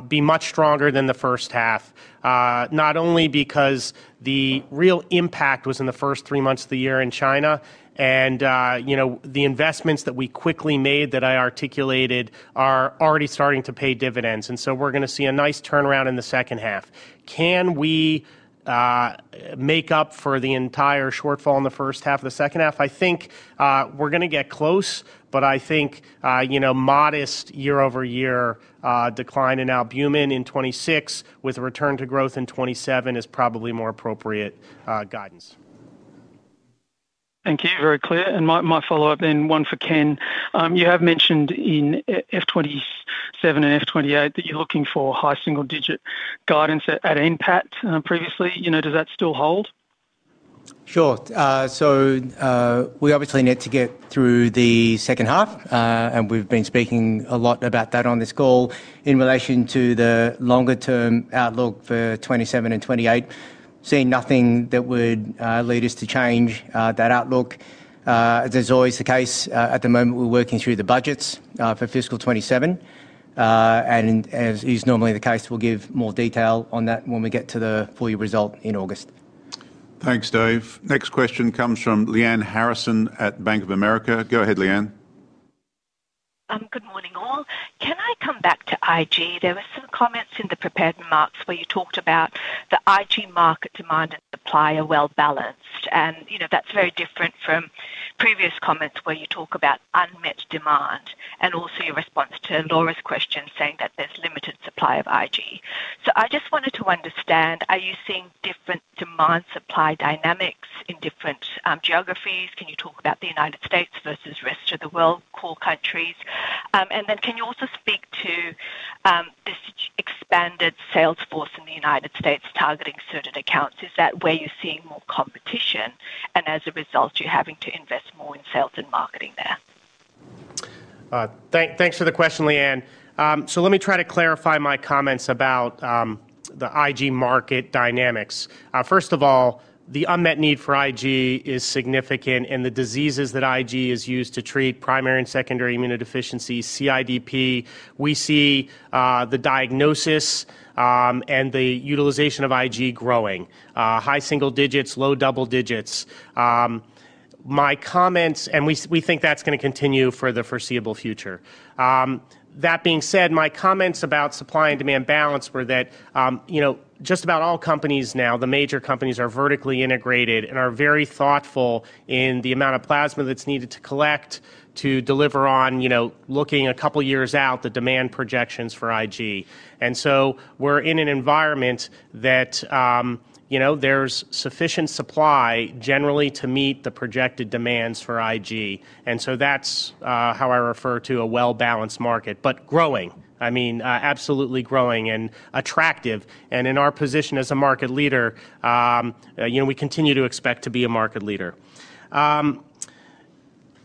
be much stronger than the first half, not only because the real impact was in the first three months of the year in China, and, you know, the investments that we quickly made that I articulated are already starting to pay dividends, and so we're gonna see a nice turnaround in the second half. Can we make up for the entire shortfall in the first half or the second half? I think, we're gonna get close, but I think, you know, modest year-over-year decline in albumin in 2026, with a return to growth in 2027 is probably more appropriate guidance.... Thank you. Very clear. And my follow-up, then one for Ken. You have mentioned in FY 2027 and FY 2028 that you're looking for high single-digit guidance at NPAT, previously. You know, does that still hold? Sure. So, we obviously need to get through the second half, and we've been speaking a lot about that on this call. In relation to the longer-term outlook for 2027 and 2028, see nothing that would lead us to change that outlook. As is always the case, at the moment, we're working through the budgets for fiscal 2027. As is normally the case, we'll give more detail on that when we get to the full year result in August. Thanks, Dave. Next question comes from Lyanne Harrison at Bank of America. Go ahead, Leanne. Good morning, all. Can I come back to IG? There were some comments in the prepared remarks where you talked about the IG market demand and supply are well balanced, and, you know, that's very different from previous comments where you talk about unmet demand, and also your response to Laura's question, saying that there's limited supply of IG. So I just wanted to understand: Are you seeing different demand-supply dynamics in different geographies? Can you talk about the United States versus rest of the world core countries? And then can you also speak to this expanded sales force in the United States targeting certain accounts? Is that where you're seeing more competition, and as a result, you're having to invest more in sales and marketing there? Thanks for the question, Lyanne. So let me try to clarify my comments about the IG market dynamics. First of all, the unmet need for IG is significant, and the diseases that IG is used to treat, primary and secondary immunodeficiencies, CIDP, we see the diagnosis and the utilization of IG growing high single digits, low double digits. My comments. We think that's going to continue for the foreseeable future. That being said, my comments about supply and demand balance were that you know, just about all companies now, the major companies, are vertically integrated and are very thoughtful in the amount of plasma that's needed to collect to deliver on you know, looking a couple of years out, the demand projections for IG. So we're in an environment that, you know, there's sufficient supply generally to meet the projected demands for IG. That's how I refer to a well-balanced market, but growing, I mean, absolutely growing and attractive. In our position as a market leader, you know, we continue to expect to be a market leader.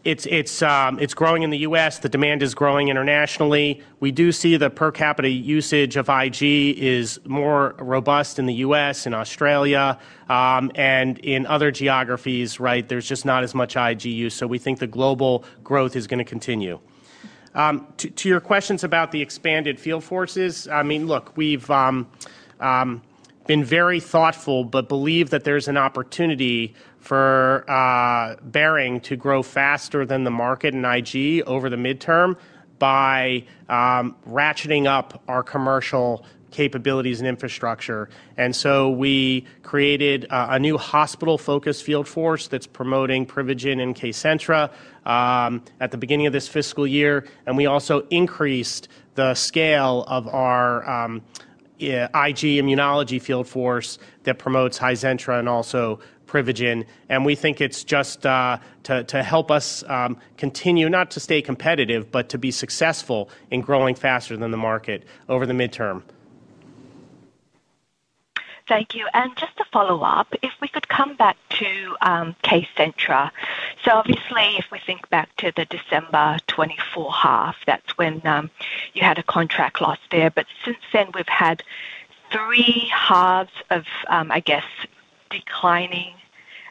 It's growing in the U.S., the demand is growing internationally. We do see the per capita usage of IG is more robust in the U.S., in Australia, and in other geographies, right, there's just not as much IG use, so we think the global growth is going to continue. To your questions about the expanded field forces, I mean, look, we've been very thoughtful, but believe that there's an opportunity for Behring to grow faster than the market in IG over the midterm by ratcheting up our commercial capabilities and infrastructure. And so we created a new hospital-focused field force that's promoting Privigen and Kcentra at the beginning of this fiscal year, and we also increased the scale of our IG immunology field force that promotes Hizentra and also Privigen. And we think it's just to help us continue, not to stay competitive, but to be successful in growing faster than the market over the midterm. Thank you. And just to follow up, if we could come back to Kcentra. So obviously, if we think back to the December 2024 half, that's when you had a contract loss there. But since then, we've had three halves of, I guess, declining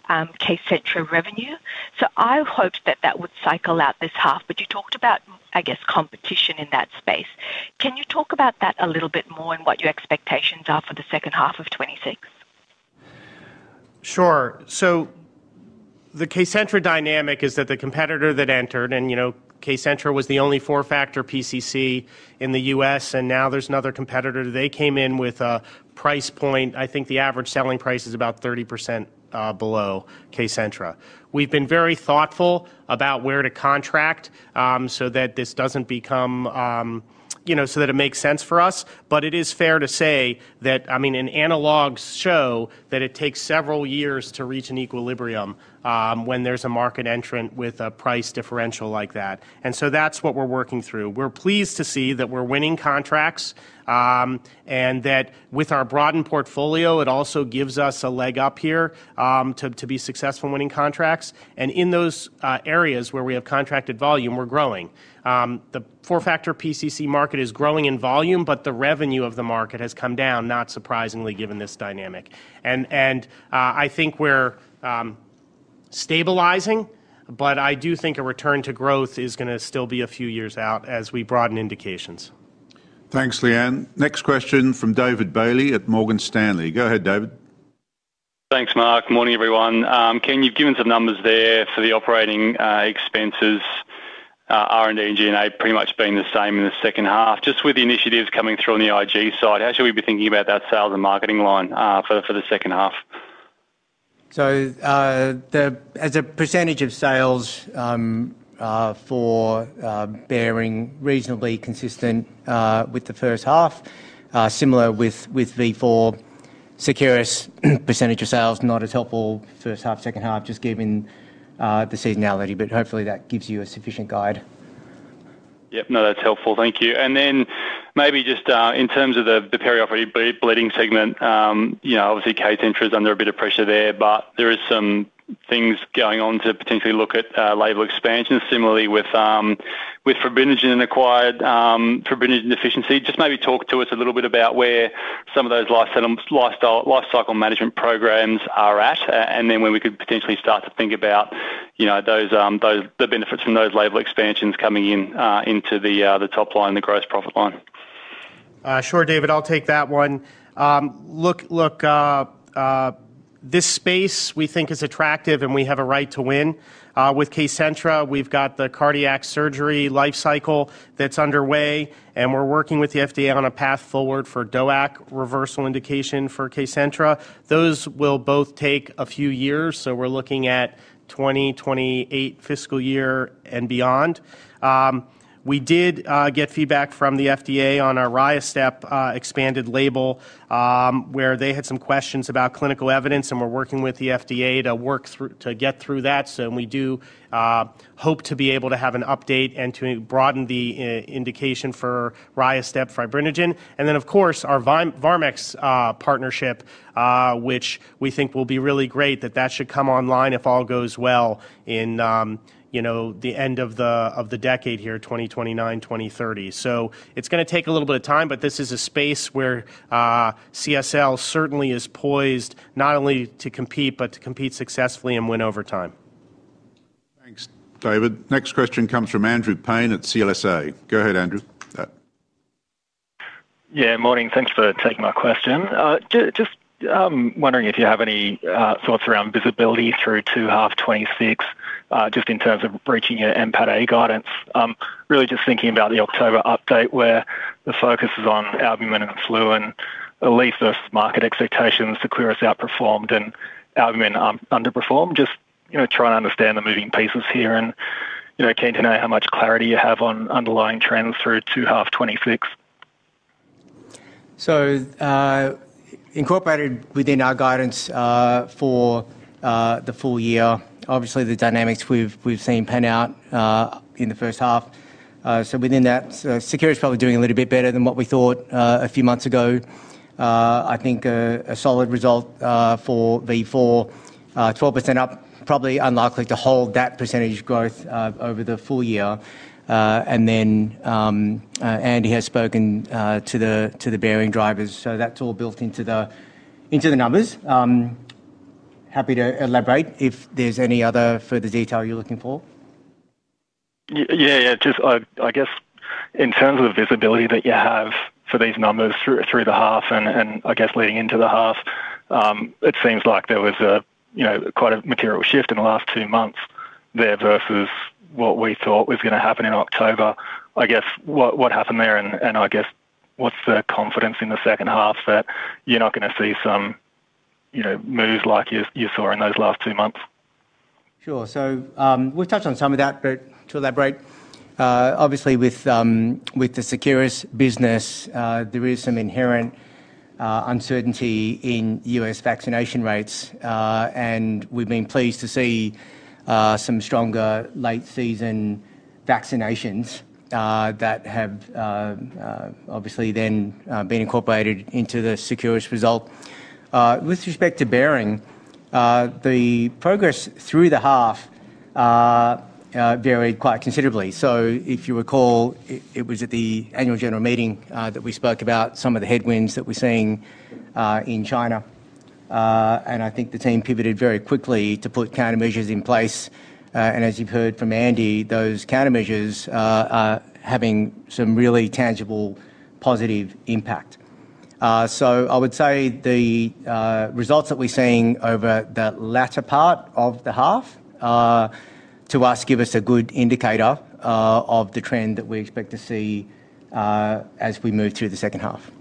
Kcentra revenue. So I hoped that that would cycle out this half, but you talked about, I guess, competition in that space. Can you talk about that a little bit more and what your expectations are for the second half of 2026? Sure. So the Kcentra dynamic is that the competitor that entered, and, you know, Kcentra was the only four-factor PCC in the U.S., and now there's another competitor. They came in with a price point. I think the average selling price is about 30%, below Kcentra. We've been very thoughtful about where to contract, so that this doesn't become, you know, so that it makes sense for us. But it is fair to say that, I mean, and analogs show that it takes several years to reach an equilibrium, when there's a market entrant with a price differential like that. And so that's what we're working through. We're pleased to see that we're winning contracts, and that with our broadened portfolio, it also gives us a leg up here, to be successful in winning contracts. And in those areas where we have contracted volume, we're growing. The four-factor PCC market is growing in volume, but the revenue of the market has come down, not surprisingly, given this dynamic. And I think we're stabilizing, but I do think a return to growth is going to still be a few years out as we broaden indications. Thanks, Leanne. Next question from David Bailey at Morgan Stanley. Go ahead, David. Thanks, Mark. Morning, everyone. Ken, you've given some numbers there for the operating expenses, R&D and G&A pretty much been the same in the second half. Just with the initiatives coming through on the IG side, how should we be thinking about that sales and marketing line for the second half? So, as a percentage of sales for Behring, reasonably consistent with the first half, similar with Vifor. Seqirus percentage of sales not as helpful, first half, second half, just given the seasonality, but hopefully that gives you a sufficient guide. Yep. No, that's helpful. Thank you. And then maybe just, in terms of the, the peri-operative bleeding segment, you know, obviously, Kcentra is under a bit of pressure there, but there is some things going on to potentially look at, label expansion. Similarly, with, with fibrinogen and acquired, fibrinogen deficiency. Just maybe talk to us a little bit about where some of those lifecycle management programs are at, and then when we could potentially start to think about, you know, those, the benefits from those label expansions coming in, into the, the top line, the gross profit line. Sure, David, I'll take that one. Look, this space we think is attractive, and we have a right to win. With Kcentra, we've got the cardiac surgery life cycle that's underway, and we're working with the FDA on a path forward for DOAC reversal indication for Kcentra. Those will both take a few years, so we're looking at 2028 fiscal year and beyond. We did get feedback from the FDA on our RiaSTAP expanded label, where they had some questions about clinical evidence, and we're working with the FDA to get through that. So we do hope to be able to have an update and to broaden the indication for RiaSTAP fibrinogen. And then, of course, our VarmX partnership, which we think will be really great, that that should come online, if all goes well, in, you know, the end of the decade here, 2029, 2030. So it's gonna take a little bit of time, but this is a space where CSL certainly is poised not only to compete, but to compete successfully and win over time. Thanks, David. Next question comes from Andrew Paine at CLSA. Go ahead, Andrew. Yeah, morning. Thanks for taking my question. Just wondering if you have any thoughts around visibility through to 1H 2026, just in terms of reaching your NPATA guidance. Really just thinking about the October update, where the focus is on albumin and flu and at least those market expectations, Seqirus outperformed and albumin underperformed. Just, you know, trying to understand the moving pieces here, and, you know, keen to know how much clarity you have on underlying trends through to 1H 2026. Incorporated within our guidance for the full year, obviously the dynamics we've seen pan out in the first half. So within that, Seqirus is probably doing a little bit better than what we thought a few months ago. I think a solid result for Vifor, 12% up, probably unlikely to hold that percentage growth over the full year. And then, Andy has spoken to the Behring drivers, so that's all built into the numbers. Happy to elaborate if there's any other further detail you're looking for. Yeah, yeah. Just, I guess in terms of the visibility that you have for these numbers through the half and I guess leading into the half, it seems like there was a, you know, quite a material shift in the last two months there versus what we thought was gonna happen in October. I guess, what happened there, and I guess, what's the confidence in the second half that you're not gonna see some, you know, moves like you saw in those last two months? Sure. So, we've touched on some of that, but to elaborate, obviously with the Seqirus business, there is some inherent uncertainty in U.S. vaccination rates. And we've been pleased to see some stronger late-season vaccinations that have obviously then been incorporated into the Seqirus result. With respect to Behring, the progress through the half varied quite considerably. So if you recall, it was at the annual general meeting that we spoke about some of the headwinds that we're seeing in China. And I think the team pivoted very quickly to put countermeasures in place, and as you've heard from Andy, those countermeasures are having some really tangible, positive impact. So I would say the results that we're seeing over the latter part of the half to us give us a good indicator of the trend that we expect to see as we move through the second half.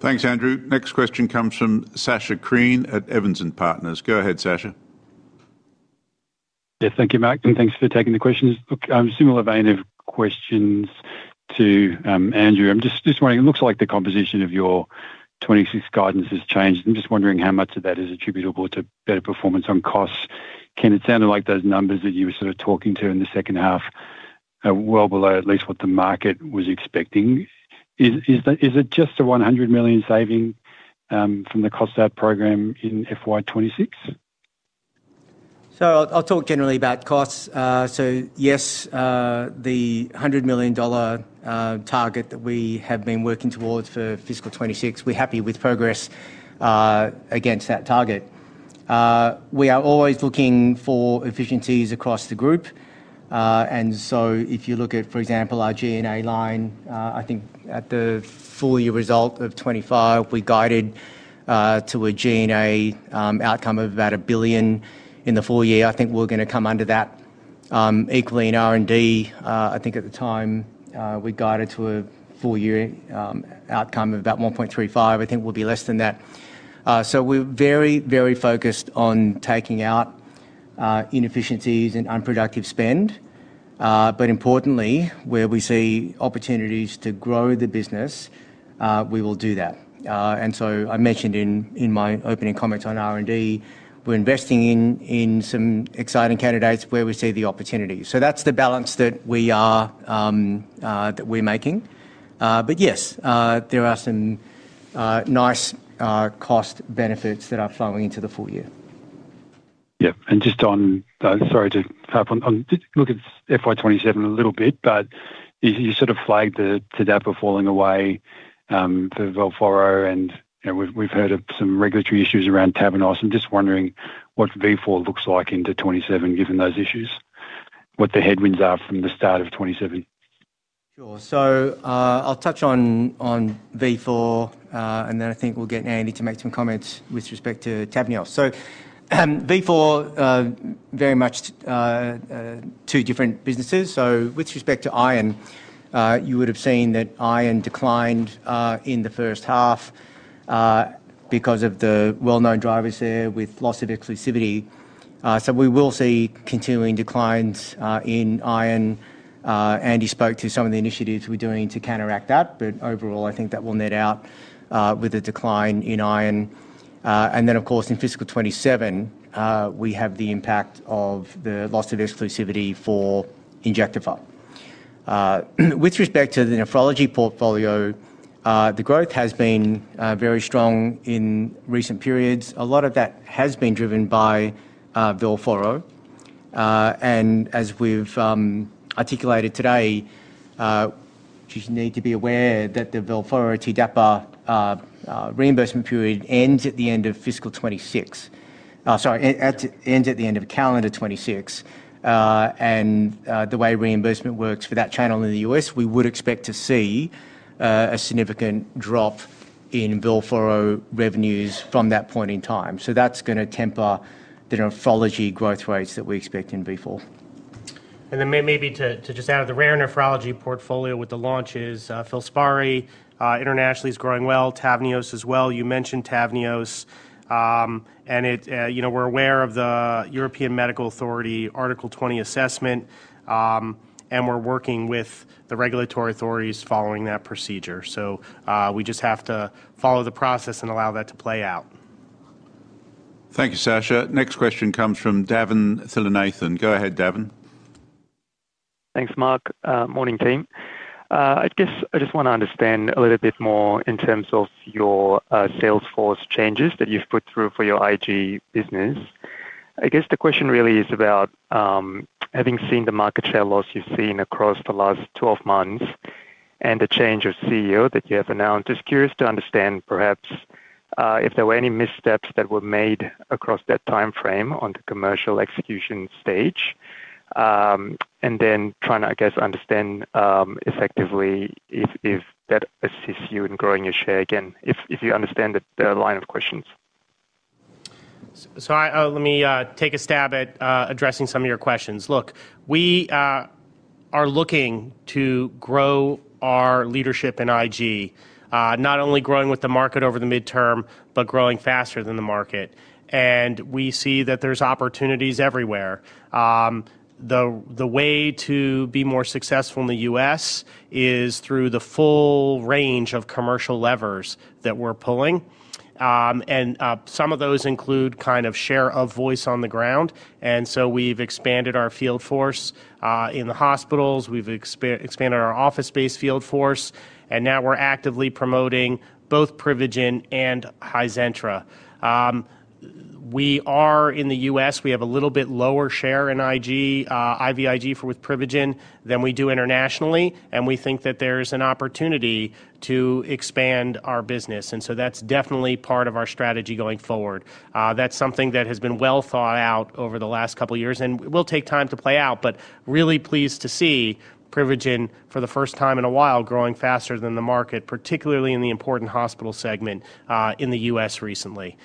Thanks, Andrew. Next question comes from Sacha Krien at Evans & Partners. Go ahead, Sacha. Yeah, thank you, Mark, and thanks for taking the questions. Look, similar vein of questions to, Andrew. I'm just wondering, it looks like the composition of your 2026 guidance has changed. I'm just wondering how much of that is attributable to better performance on costs. Ken, it sounded like those numbers that you were sort of talking to in the second half are well below, at least what the market was expecting. Is it just a $100 million saving from the cost out program in FY 2026? So I'll talk generally about costs. So yes, the $100 million target that we have been working towards for fiscal 2026, we're happy with progress against that target. We are always looking for efficiencies across the group. And so if you look at, for example, our G&A line, I think at the full year result of 2025, we guided to a G&A outcome of about $1 billion in the full year. I think we're gonna come under that. Equally in R&D, I think at the time, we guided to a full year outcome of about $1.35 billion. I think we'll be less than that. So we're very, very focused on taking out-... Inefficiencies and unproductive spend, but importantly, where we see opportunities to grow the business, we will do that. And so I mentioned in my opening comments on R&D, we're investing in some exciting candidates where we see the opportunity. So that's the balance that we are that we're making. But yes, there are some nice cost benefits that are flowing into the full year. Yeah, and just on, sorry to harp on, just look at FY 2027 a little bit, but you sort of flagged the TDAPA falling away, for Velphoro, and, you know, we've heard of some regulatory issues around TAVNEOS. I'm just wondering what Vifor looks like into 2027, given those issues, what the headwinds are from the start of 2027? Sure. So, I'll touch on Vifor, and then I think we'll get Andy to make some comments with respect to TAVNEOS. So, Vifor very much two different businesses. So with respect to Venofer, you would have seen that Venofer declined in the first half because of the well-known drivers there with loss of exclusivity. So we will see continuing declines in Venofer. And then, of course, in fiscal 2027, we have the impact of the loss of exclusivity for Injectafer. With respect to the nephrology portfolio, the growth has been very strong in recent periods. A lot of that has been driven by Velphoro. And as we've articulated today, just need to be aware that the Velphoro TDAPA reimbursement period ends at the end of fiscal 2026. Sorry, ends at the end of calendar 2026. And the way reimbursement works for that channel in the U.S., we would expect to see a significant drop in Velphoro revenues from that point in time. So that's gonna temper the nephrology growth rates that we expect in Vifor. And then, to just add, the rare nephrology portfolio with the launches, FILSPARI internationally is growing well, TAVNEOS as well. You mentioned TAVNEOS, and it, you know, we're aware of the European Medicines Agency Article 20 assessment, and we're working with the regulatory authorities following that procedure. So, we just have to follow the process and allow that to play out. Thank you, Sacha. Next question comes from Davin Thillainathan. Go ahead, Davin. Thanks, Mark. Morning, team. I guess I just want to understand a little bit more in terms of your sales force changes that you've put through for your IG business. I guess the question really is about having seen the market share loss you've seen across the last 12 months and the change of CEO that you have announced. Just curious to understand, perhaps, if there were any missteps that were made across that time frame on the commercial execution stage, and then trying to, I guess, understand effectively if that assists you in growing your share again, if you understand the line of questions. So, let me take a stab at addressing some of your questions. Look, we are looking to grow our leadership in IG, not only growing with the market over the midterm, but growing faster than the market. And we see that there's opportunities everywhere. The way to be more successful in the U.S. is through the full range of commercial levers that we're pulling. And some of those include kind of share of voice on the ground, and so we've expanded our field force in the hospitals, we've expanded our office-based field force, and now we're actively promoting both Privigen and Hizentra. We are in the U.S., we have a little bit lower share in IG, IVIG for with Privigen than we do internationally, and we think that there's an opportunity to expand our business, and so that's definitely part of our strategy going forward. That's something that has been well thought out over the last couple of years, and will take time to play out, but really pleased to see Privigen, for the first time in a while, growing faster than the market, particularly in the important hospital segment, in the U.S. recently.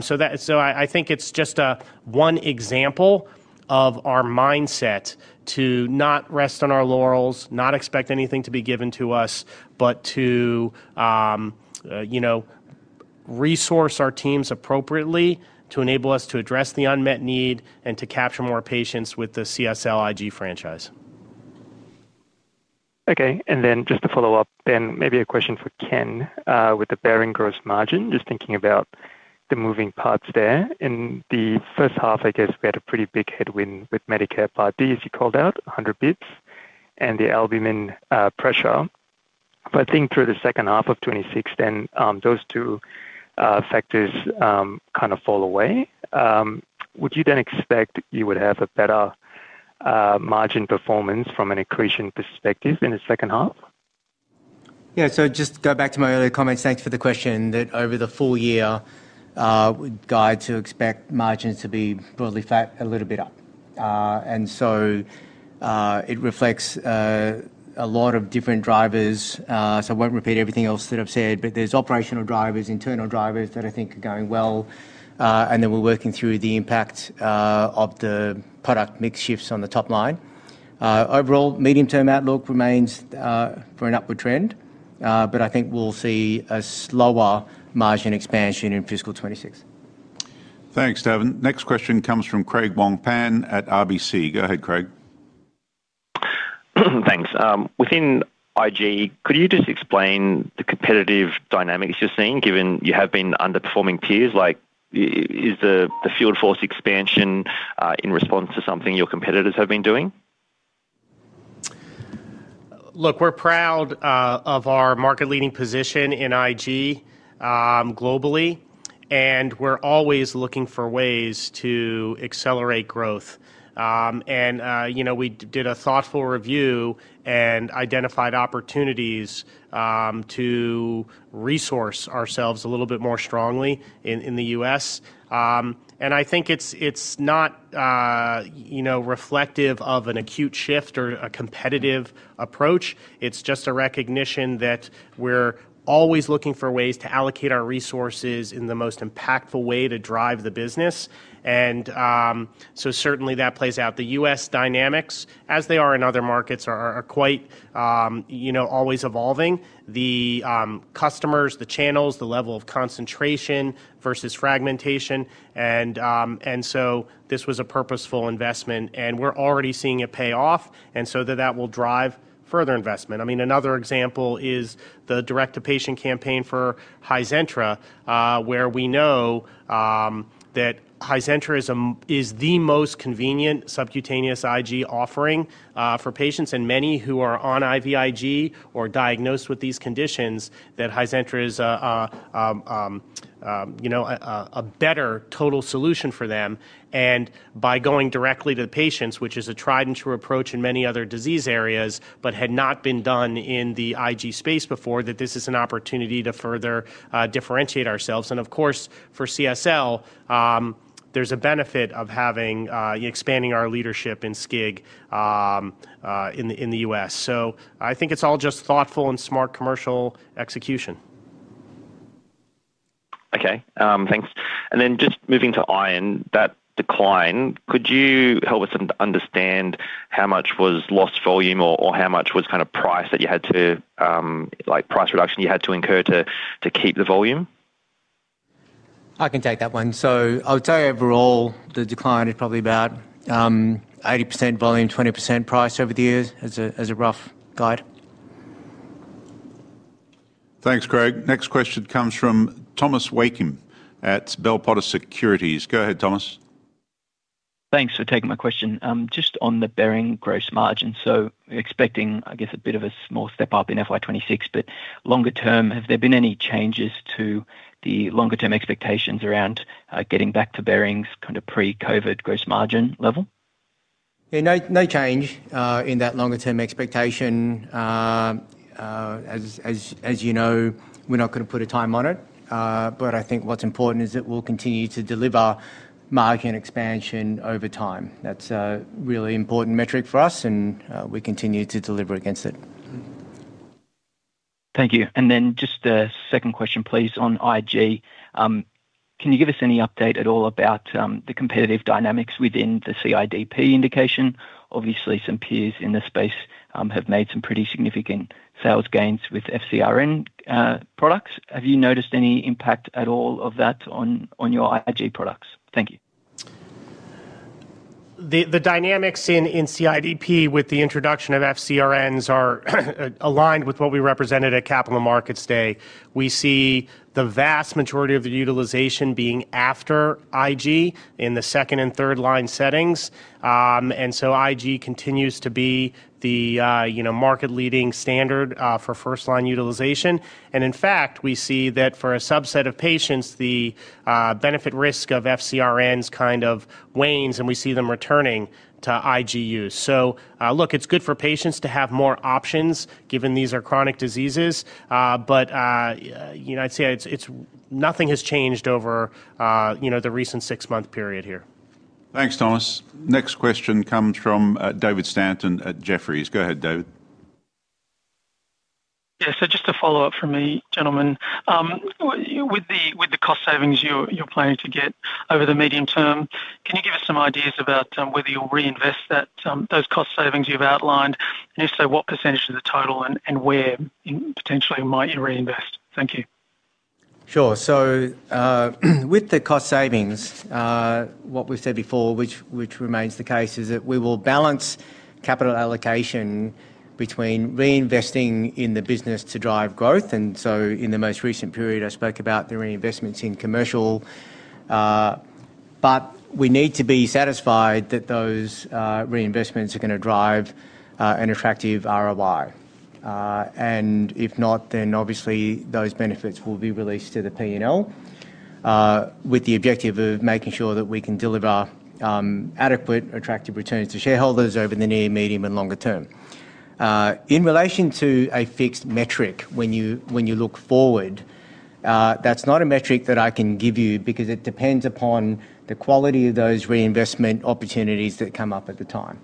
So I think it's just one example of our mindset to not rest on our laurels, not expect anything to be given to us, but to, you know, resource our teams appropriately to enable us to address the unmet need and to capture more patients with the CSL IG franchise. Okay, and then just to follow up, then maybe a question for Ken. With the Behring gross margin, just thinking about the moving parts there. In the first half, I guess we had a pretty big headwind with Medicare Part D, as you called out, 100 basis points, and the albumin pressure. But I think through the second half of 2026, those two factors kind of fall away. Would you then expect you would have a better margin performance from an accretion perspective in the second half? Yeah, so just to go back to my earlier comments, thanks for the question, that over the full year, we guide to expect margins to be broadly flat, a little bit up. And so, it reflects a lot of different drivers, so I won't repeat everything else that I've said, but there's operational drivers, internal drivers that I think are going well, and then we're working through the impact of the product mix shifts on the top line. Overall, medium-term outlook remains for an upward trend, but I think we'll see a slower margin expansion in fiscal 2026. Thanks, Davin. Next question comes from Craig Wong-Pan at RBC. Go ahead, Craig. Thanks. Within IG, could you just explain the competitive dynamics you're seeing, given you have been underperforming peers? Like, is the field force expansion in response to something your competitors have been doing? Look, we're proud of our market-leading position in IG globally, and we're always looking for ways to accelerate growth. And you know, we did a thoughtful review and identified opportunities to resource ourselves a little bit more strongly in the U.S. And I think it's not you know, reflective of an acute shift or a competitive approach. It's just a recognition that we're always looking for ways to allocate our resources in the most impactful way to drive the business. And so certainly, that plays out. The U.S. dynamics, as they are in other markets, are quite you know, always evolving. The customers, the channels, the level of concentration versus fragmentation, and so this was a purposeful investment, and we're already seeing it pay off, and so that will drive further investment. I mean, another example is the direct-to-patient campaign for Hizentra, where we know that Hizentra is the most convenient subcutaneous IG offering for patients, and many who are on IVIG or diagnosed with these conditions, that Hizentra is, you know, a better total solution for them. And by going directly to the patients, which is a tried-and-true approach in many other disease areas, but had not been done in the IG space before, that this is an opportunity to further differentiate ourselves. And of course, for CSL, there's a benefit of having expanding our leadership in SCIG in the U.S. So I think it's all just thoughtful and smart commercial execution. Okay. Thanks. Then just moving to iron, that decline, could you help us understand how much was lost volume or, or how much was kind of price that you had to, like, price reduction you had to incur to, to keep the volume? I can take that one. So I would say, overall, the decline is probably about 80% volume, 20% price over the years as a rough guide. Thanks, Craig. Next question comes from Thomas Wakim at Bell Potter Securities. Go ahead, Thomas. Thanks for taking my question. Just on the Behring gross margin, so you're expecting, I guess, a bit of a small step up in FY 2026, but longer term, have there been any changes to the longer-term expectations around, getting back to Behring's kind of pre-COVID gross margin level? Yeah, no, no change in that longer-term expectation. You know, we're not gonna put a time on it, but I think what's important is that we'll continue to deliver margin expansion over time. That's a really important metric for us, and we continue to deliver against it. Thank you. And then just a second question, please, on IG. Can you give us any update at all about the competitive dynamics within the CIDP indication? Obviously, some peers in this space have made some pretty significant sales gains with FcRn products. Have you noticed any impact at all of that on your IG products? Thank you. The dynamics in CIDP with the introduction of FcRns are aligned with what we represented at Capital Markets Day. We see the vast majority of the utilisation being after IG in the second and third line settings. And so IG continues to be the you know, market-leading standard for first-line utilisation. And in fact, we see that for a subset of patients, the benefit risk of FcRns kind of wanes, and we see them returning to IG use. So look, it's good for patients to have more options, given these are chronic diseases, but you know, I'd say it's Nothing has changed over you know, the recent six-month period here. Thanks, Thomas. Next question comes from David Stanton at Jefferies. Go ahead, David. Yeah, so just a follow-up from me, gentlemen. With the cost savings you're planning to get over the medium term, can you give us some ideas about whether you'll reinvest that, those cost savings you've outlined? And if so, what percentage of the total, and where potentially might you reinvest? Thank you. Sure. So, with the cost savings, what we've said before, which, which remains the case, is that we will balance capital allocation between reinvesting in the business to drive growth. And so in the most recent period, I spoke about the reinvestments in commercial, but we need to be satisfied that those, reinvestments are gonna drive, an attractive ROI. And if not, then obviously, those benefits will be released to the P&L, with the objective of making sure that we can deliver, adequate, attractive returns to shareholders over the near, medium, and longer term. In relation to a fixed metric, when you, when you look forward, that's not a metric that I can give you because it depends upon the quality of those reinvestment opportunities that come up at the time.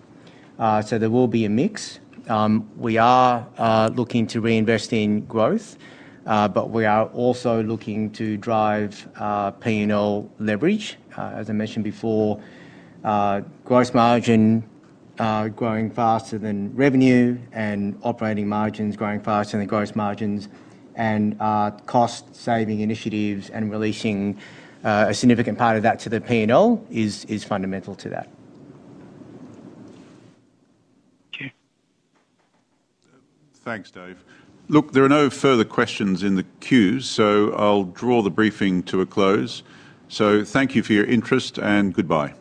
So there will be a mix. We are looking to reinvest in growth, but we are also looking to drive P&L leverage. As I mentioned before, gross margin growing faster than revenue, and operating margins growing faster than the gross margins, and cost-saving initiatives and releasing a significant part of that to the P&L is fundamental to that. Thank you. Thanks, Dave. Look, there are no further questions in the queue, so I'll draw the briefing to a close. So thank you for your interest, and goodbye.